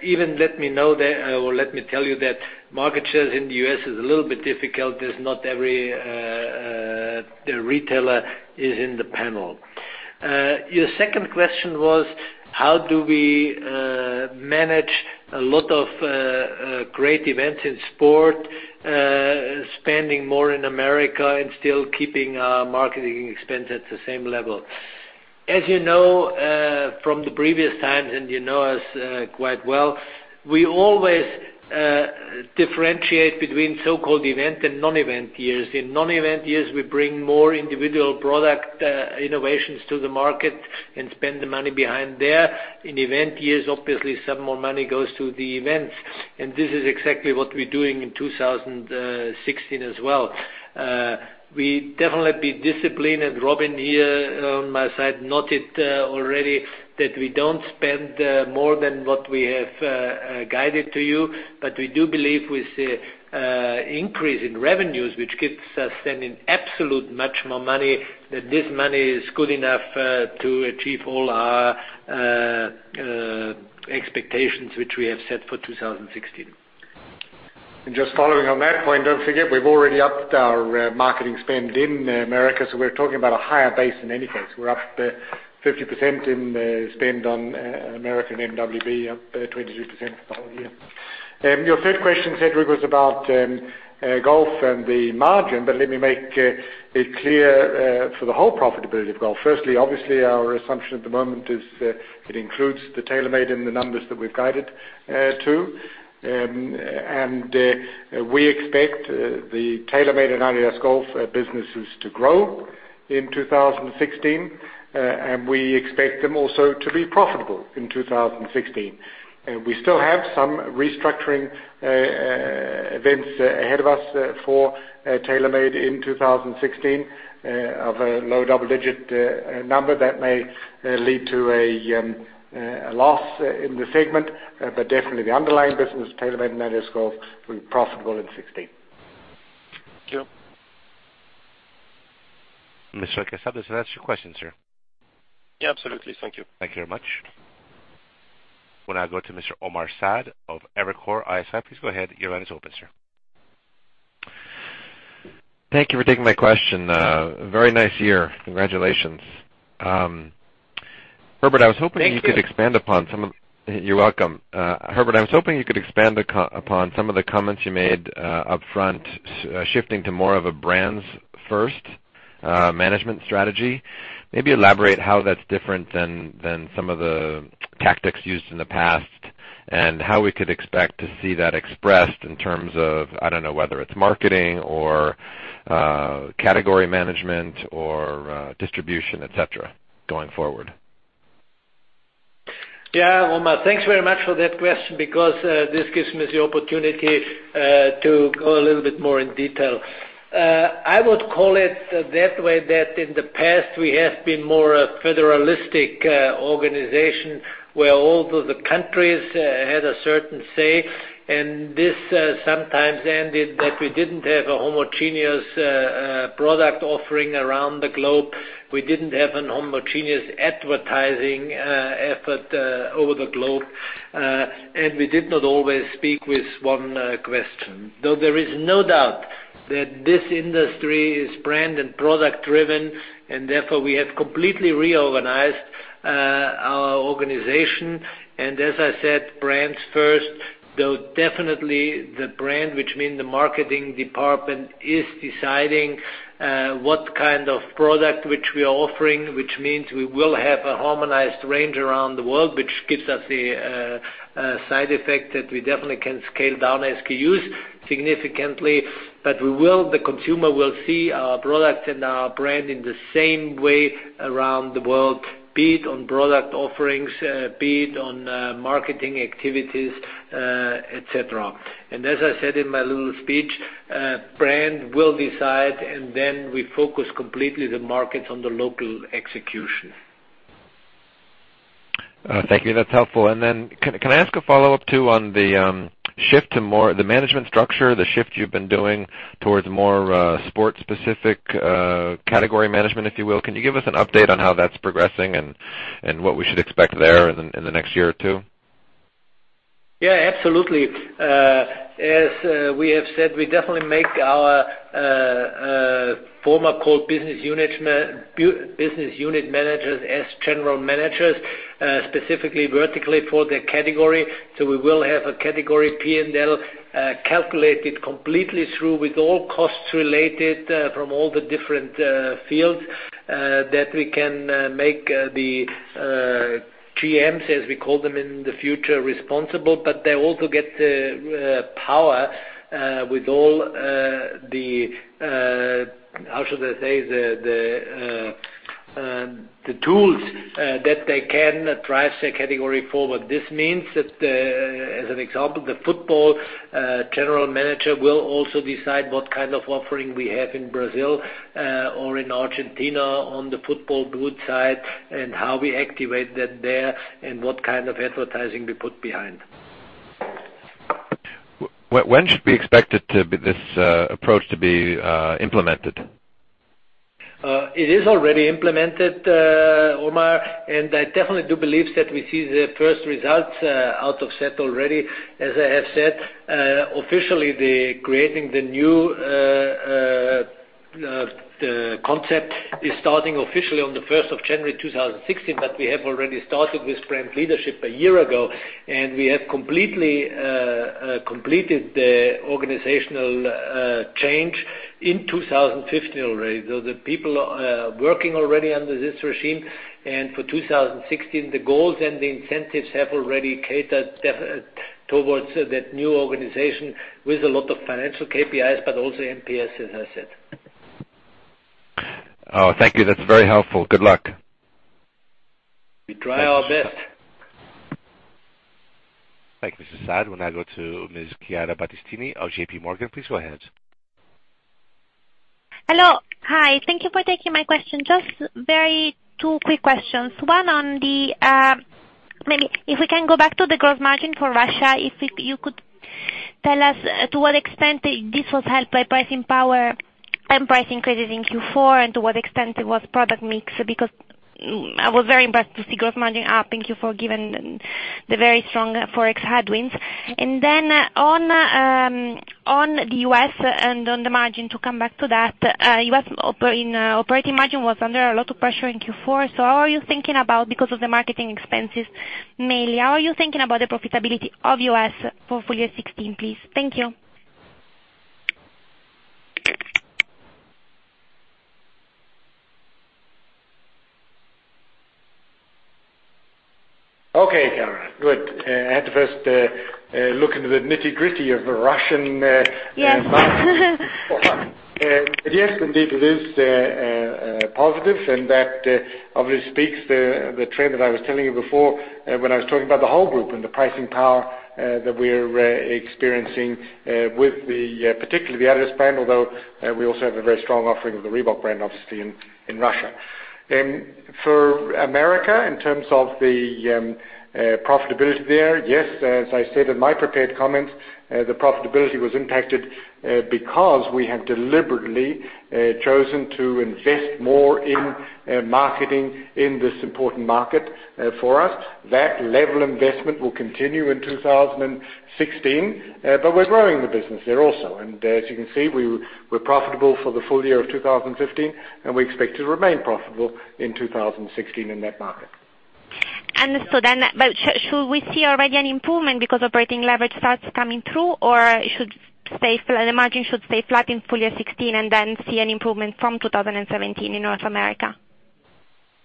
Even let me know that, or let me tell you that market share in the U.S. is a little bit difficult. There's not every retailer is in the panel. Your second question was how do we manage a lot of great events in sport, spending more in America and still keeping our marketing expense at the same level? As you know from the previous times, and you know us quite well, we always differentiate between so-called event and non-event years. In non-event years, we bring more individual product innovations to the market and spend the money behind there. In event years, obviously, some more money goes to the events. This is exactly what we're doing in 2016 as well. We definitely be disciplined, Robin here on my side noted already that we don't spend more than what we have guided to you. We do believe with the increase in revenues, which gets us then in absolute much more money, that this money is good enough to achieve all our expectations, which we have set for 2016. Just following on that point, don't forget, we've already upped our marketing spend in America. We're talking about a higher base in any case. We're up 50% in spend on American NWB, up 23% for the whole year. Your third question, Cedric, was about golf and the margin. Let me make it clear for the whole profitability of golf. Firstly, obviously, our assumption at the moment is it includes the TaylorMade in the numbers that we've guided to. We expect the TaylorMade and adidas Golf businesses to grow in 2016. We expect them also to be profitable in 2016. We still have some restructuring events ahead of us for TaylorMade in 2016 of a low double-digit number that may lead to a loss in the segment. Definitely the underlying business, TaylorMade and adidas Golf, will be profitable in 2016. Thank you. Mr. Lecasble, does that answer your question, sir? Yeah, absolutely. Thank you. Thank you very much. We'll now go to Mr. Omar Saad of Evercore ISI. Please go ahead. Your line is open, sir. Thank you for taking my question. A very nice year. Congratulations. Thank you. You're welcome. Herbert, I was hoping you could expand upon some of the comments you made upfront, shifting to more of a brands first management strategy. Maybe elaborate how that's different than some of the tactics used in the past, and how we could expect to see that expressed in terms of, I don't know, whether it's marketing or category management or distribution, et cetera, going forward. Yeah, Omar. Thanks very much for that question because this gives me the opportunity to go a little bit more in detail. I would call it that way, that in the past we have been more a federalistic organization where all of the countries had a certain say, and this sometimes ended that we didn't have a homogeneous product offering around the globe. We didn't have an homogeneous advertising effort over the globe. We did not always speak with one question. Though there is no doubt that this industry is brand and product driven, and therefore we have completely reorganized our organization. As I said, brands first, though definitely the brand, which mean the marketing department, is deciding what kind of product which we are offering, which means we will have a harmonized range around the world, which gives us the side effect that we definitely can scale down SKUs significantly. The consumer will see our product and our brand in the same way around the world, be it on product offerings, be it on marketing activities, et cetera. As I said in my little speech, brand will decide, and then we focus completely the markets on the local execution. Thank you. That's helpful. Can I ask a follow-up, too, on the management structure, the shift you've been doing towards more sport-specific category management, if you will? Can you give us an update on how that's progressing and what we should expect there in the next year or two? Yeah, absolutely. As we have said, we definitely make our former core business unit managers as general managers, specifically vertically for their category. We will have a category P&L calculated completely through with all costs related from all the different fields that we can make the GMs, as we call them, in the future responsible. They also get power with all the, how should I say, the tools that they can drive the category forward. This means that, as an example, the football general manager will also decide what kind of offering we have in Brazil or in Argentina on the football boot side and how we activate that there and what kind of advertising we put behind. When should we expect this approach to be implemented? It is already implemented, Omar, and I definitely do believe that we see the first results out of that already. As I have said, officially, Creating the New concept is starting officially on the 1st of January 2016, but we have already started with brand leadership a year ago, and we have completely completed the organizational change in 2015 already. The people are working already under this regime. For 2016, the goals and the incentives have already catered towards that new organization with a lot of financial KPIs, but also NPS, as I said. Thank you. That's very helpful. Good luck. We try our best. Thank you, Mr. Saad. We'll now go to Ms. Chiara Battistini of JP Morgan. Please go ahead. Hello. Hi, thank you for taking my question. Just two quick questions. One on the-- Maybe if we can go back to the gross margin for Russia. If you could tell us to what extent this was helped by pricing power and pricing credit in Q4, and to what extent it was product mix, because I was very impressed to see gross margin up. Thank you for giving the very strong Forex headwinds. On the U.S. and on the margin to come back to that. U.S. operating margin was under a lot of pressure in Q4. How are you thinking about, because of the marketing expenses mainly, how are you thinking about the profitability of U.S. for full year 2016, please? Thank you. Okay, Chiara. Good. I had to first look into the nitty-gritty of the Russian environment. Yes. Yes, indeed, it is positive, and that obviously speaks to the trend that I was telling you before when I was talking about the whole group and the pricing power that we're experiencing with particularly the adidas brand, although we also have a very strong offering of the Reebok brand, obviously, in Russia. For America, in terms of the profitability there, yes, as I said in my prepared comments, the profitability was impacted because we have deliberately chosen to invest more in marketing in this important market for us. That level investment will continue in 2016. We're growing the business there also. As you can see, we're profitable for the full year of 2015, and we expect to remain profitable in 2016 in that market. Understood. Should we see already an improvement because operating leverage starts coming through? Or the margin should stay flat in full year 2016 and then see an improvement from 2017 in North America?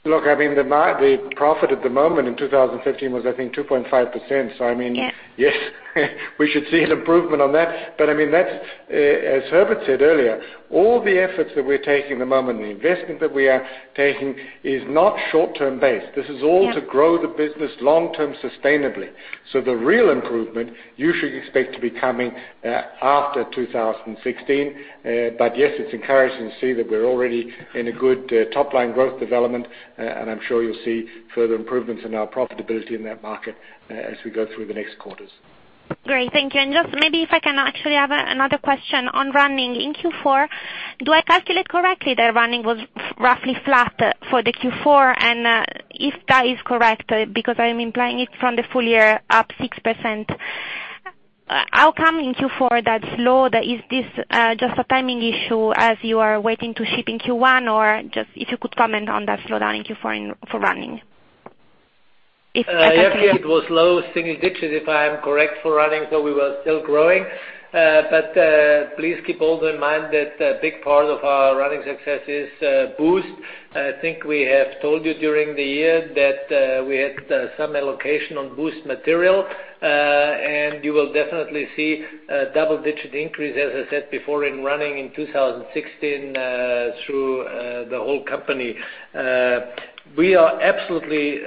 Look, the profit at the moment in 2015 was, I think 2.5%. I mean. Yeah. Yes, we should see an improvement on that. As Herbert said earlier, all the efforts that we're taking the moment and the investment that we are taking is not short-term based. This is all to grow the business long-term sustainably. The real improvement you should expect to be coming after 2016. Yes, it's encouraging to see that we're already in a good top-line growth development, and I'm sure you'll see further improvements in our profitability in that market as we go through the next quarters. Great. Thank you. Just maybe if I can actually have another question on running in Q4. Do I calculate correctly that running was roughly flat for the Q4? If that is correct, because I'm implying it from the full year up 6%. How come in Q4 that's low? Is this just a timing issue as you are waiting to ship in Q1? Or just if you could comment on that slowdown in Q4 for running. Chiara, it was low single digits, if I am correct, for running, we were still growing. Please keep also in mind that a big part of our running success is Boost. I think we have told you during the year that we had some allocation on Boost material. You will definitely see a double-digit increase, as I said before, in running in 2016 through the whole company. We are absolutely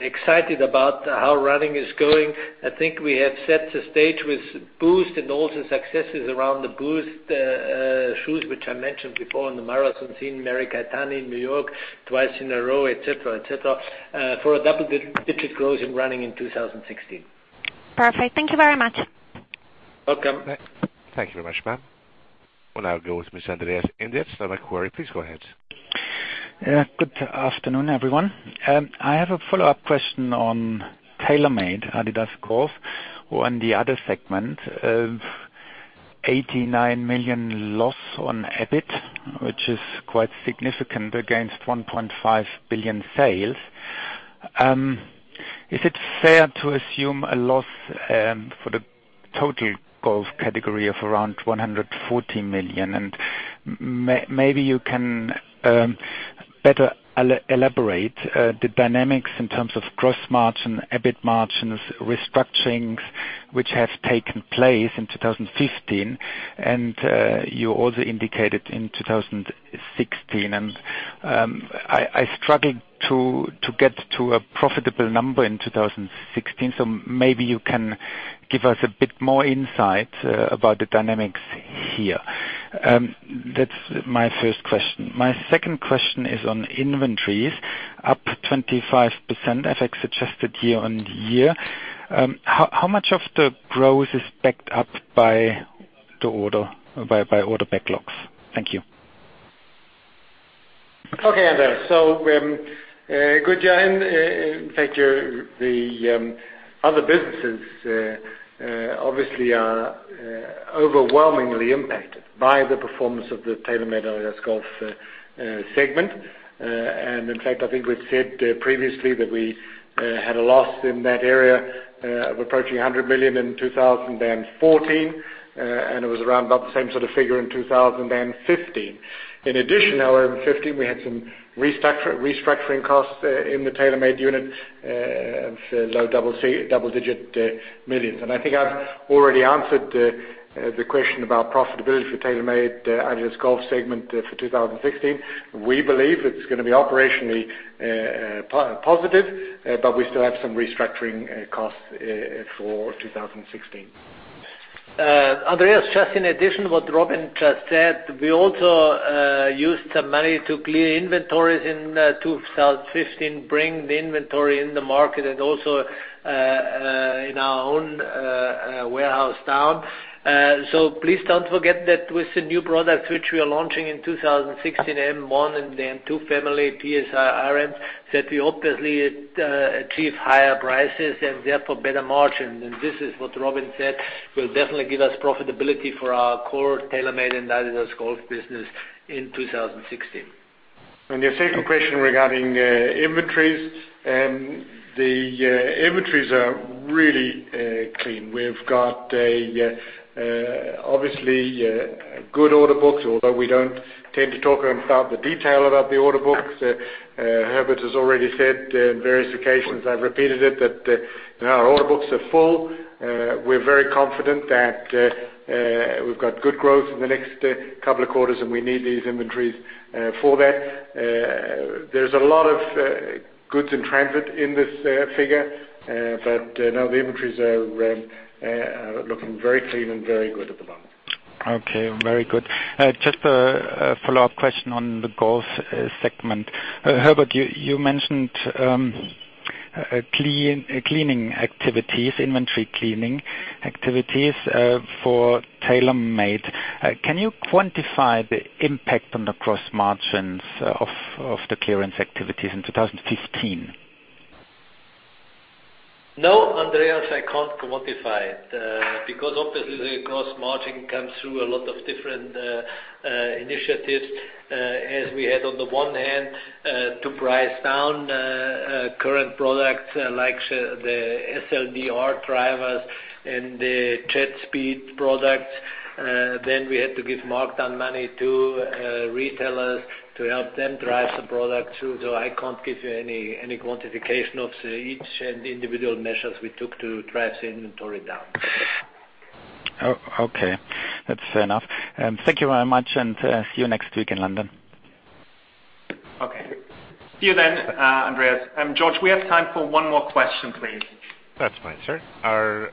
excited about how running is going. I think we have set the stage with Boost and all the successes around the Boost shoes, which I mentioned before in the marathon scene, Mary Keitany in New York, twice in a row, et cetera. For a double-digit growth in running in 2016. Perfect. Thank you very much. Welcome. Thank you very much, ma'am. We'll now go with Ms. Andreas Inderst from Macquarie. Please go ahead. Good afternoon, everyone. I have a follow-up question on TaylorMade-adidas Golf, or in the other segment, 89 million loss on EBIT, which is quite significant against 1.5 billion sales. Is it fair to assume a loss for the total golf category of around 140 million? Maybe you can better elaborate the dynamics in terms of gross margin, EBIT margins, restructurings which have taken place in 2015, and you also indicated in 2016. I struggled to get to a profitable number in 2016. Maybe you can give us a bit more insight about the dynamics here. That's my first question. My second question is on inventories up 25% FX-adjusted year-on-year. How much of the growth is backed up by order backlogs? Thank you. Okay, Andreas. Good in fact, the other businesses obviously are overwhelmingly impacted by the performance of the TaylorMade-adidas Golf segment. In fact, I think we've said previously that we had a loss in that area of approaching 100 million in 2014, and it was around about the same sort of figure in 2015. In addition, however, in 2015, we had some restructuring costs in the TaylorMade unit of low double-digit millions. I think I've already answered the question about profitability for TaylorMade-adidas Golf segment for 2016. We believe it's going to be operationally positive, but we still have some restructuring costs for 2016. Andreas, just in addition to what Robin just said, we also used some money to clear inventories in 2015, bring the inventory in the market and also in our own warehouse now. Please don't forget that with the new product which we are launching in 2016, M1 and the M2 family, [PRISM], that we obviously achieve higher prices and therefore better margin. This is what Robin said will definitely give us profitability for our core TaylorMade and adidas Golf business in 2016. Your second question regarding inventories. The inventories are really clean. We've got obviously good order books, although we don't tend to talk about the detail about the order books. Herbert has already said on various occasions, I've repeated it, that our order books are full. We're very confident that we've got good growth in the next couple of quarters. We need these inventories for that. There's a lot of goods in transit in this figure. No, the inventories are looking very clean and very good at the moment. Okay, very good. Just a follow-up question on the golf segment. Herbert, you mentioned cleaning activities, inventory cleaning activities for TaylorMade. Can you quantify the impact on the gross margins of the clearance activities in 2015? No, Andreas, I can't quantify it. Obviously the gross margin comes through a lot of different initiatives, as we had on the one hand, to price down current products like the SLDR drivers and the JetSpeed products. We had to give markdown money to retailers to help them drive some product, too. I can't give you any quantification of each and individual measures we took to drive the inventory down. Okay, that's fair enough. Thank you very much, and see you next week in London. Okay. See you then, Andreas. George, we have time for one more question, please. That's fine, sir. Our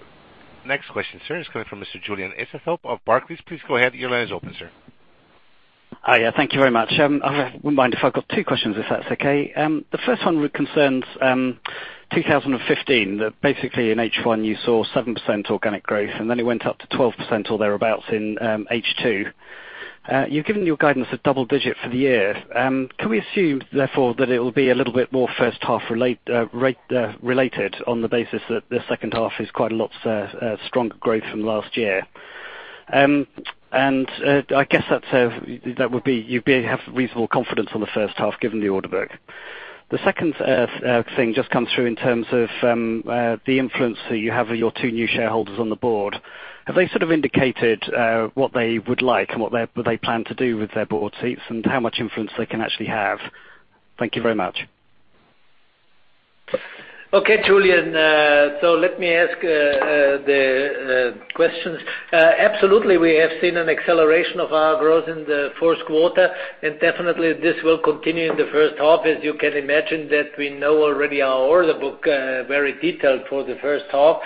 next question, sir, is coming from Mr. Julian Easthope of Barclays. Please go ahead. Your line is open, sir. Hi. Thank you very much. I wouldn't mind if I've got two questions, if that's okay. The first one concerns 2015. Basically, in H1, you saw 7% organic growth. It went up to 12% or thereabouts in H2. You've given your guidance at double digit for the year. Can we assume therefore that it will be a little bit more first half related on the basis that the second half is quite a lot stronger growth from last year? I guess that would be you have reasonable confidence on the first half given the order book. The second thing just comes through in terms of the influence that you have of your two new shareholders on the board. Have they sort of indicated what they would like and what they plan to do with their board seats and how much influence they can actually have? Thank you very much. Okay, Julian. Let me ask the questions. Absolutely, we have seen an acceleration of our growth in the first quarter. Definitely this will continue in the first half. As you can imagine that we know already our order book very detailed for the first half.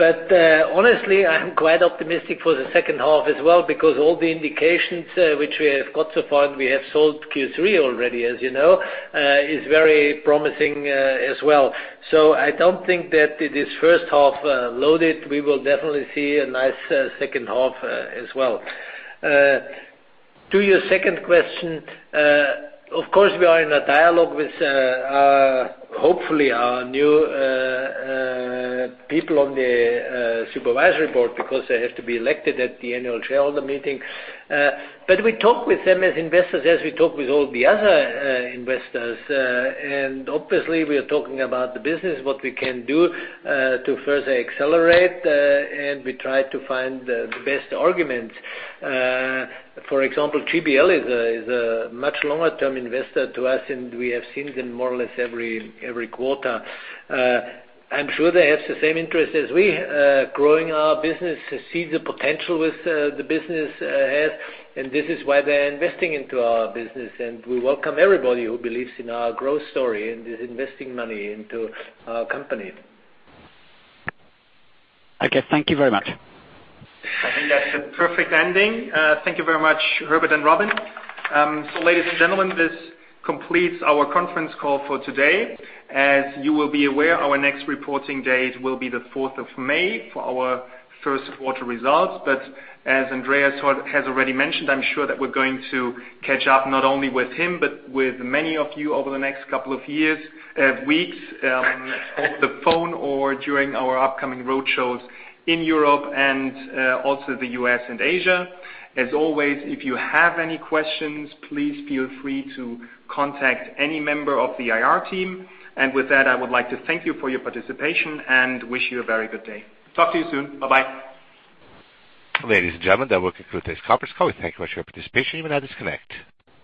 Honestly, I'm quite optimistic for the second half as well because all the indications which we have got so far, and we have sold Q3 already as you know, is very promising as well. I don't think that it is first half loaded. We will definitely see a nice second half as well. To your second question, of course, we are in a dialogue with hopefully our new people on the supervisory board because they have to be elected at the annual shareholder meeting. We talk with them as investors, as we talk with all the other investors. Obviously we are talking about the business, what we can do to further accelerate, and we try to find the best arguments. For example, GBL is a much longer-term investor to us, and we have seen them more or less every quarter. I'm sure they have the same interest as we growing our business, see the potential with the business ahead, and this is why they're investing into our business and we welcome everybody who believes in our growth story and is investing money into our company. Okay. Thank you very much. I think that's a perfect ending. Thank you very much, Herbert and Robin. Ladies and gentlemen, this completes our conference call for today. As you will be aware, our next reporting date will be the 4th of May for our first quarter results. But as Andreas has already mentioned, I'm sure that we're going to catch up not only with him, but with many of you over the next couple of weeks off the phone or during our upcoming road shows in Europe and also the U.S. and Asia. As always, if you have any questions, please feel free to contact any member of the IR team. With that, I would like to thank you for your participation and wish you a very good day. Talk to you soon. Bye-bye. Ladies and gentlemen, that will conclude this conference call. We thank you for your participation. You may now disconnect.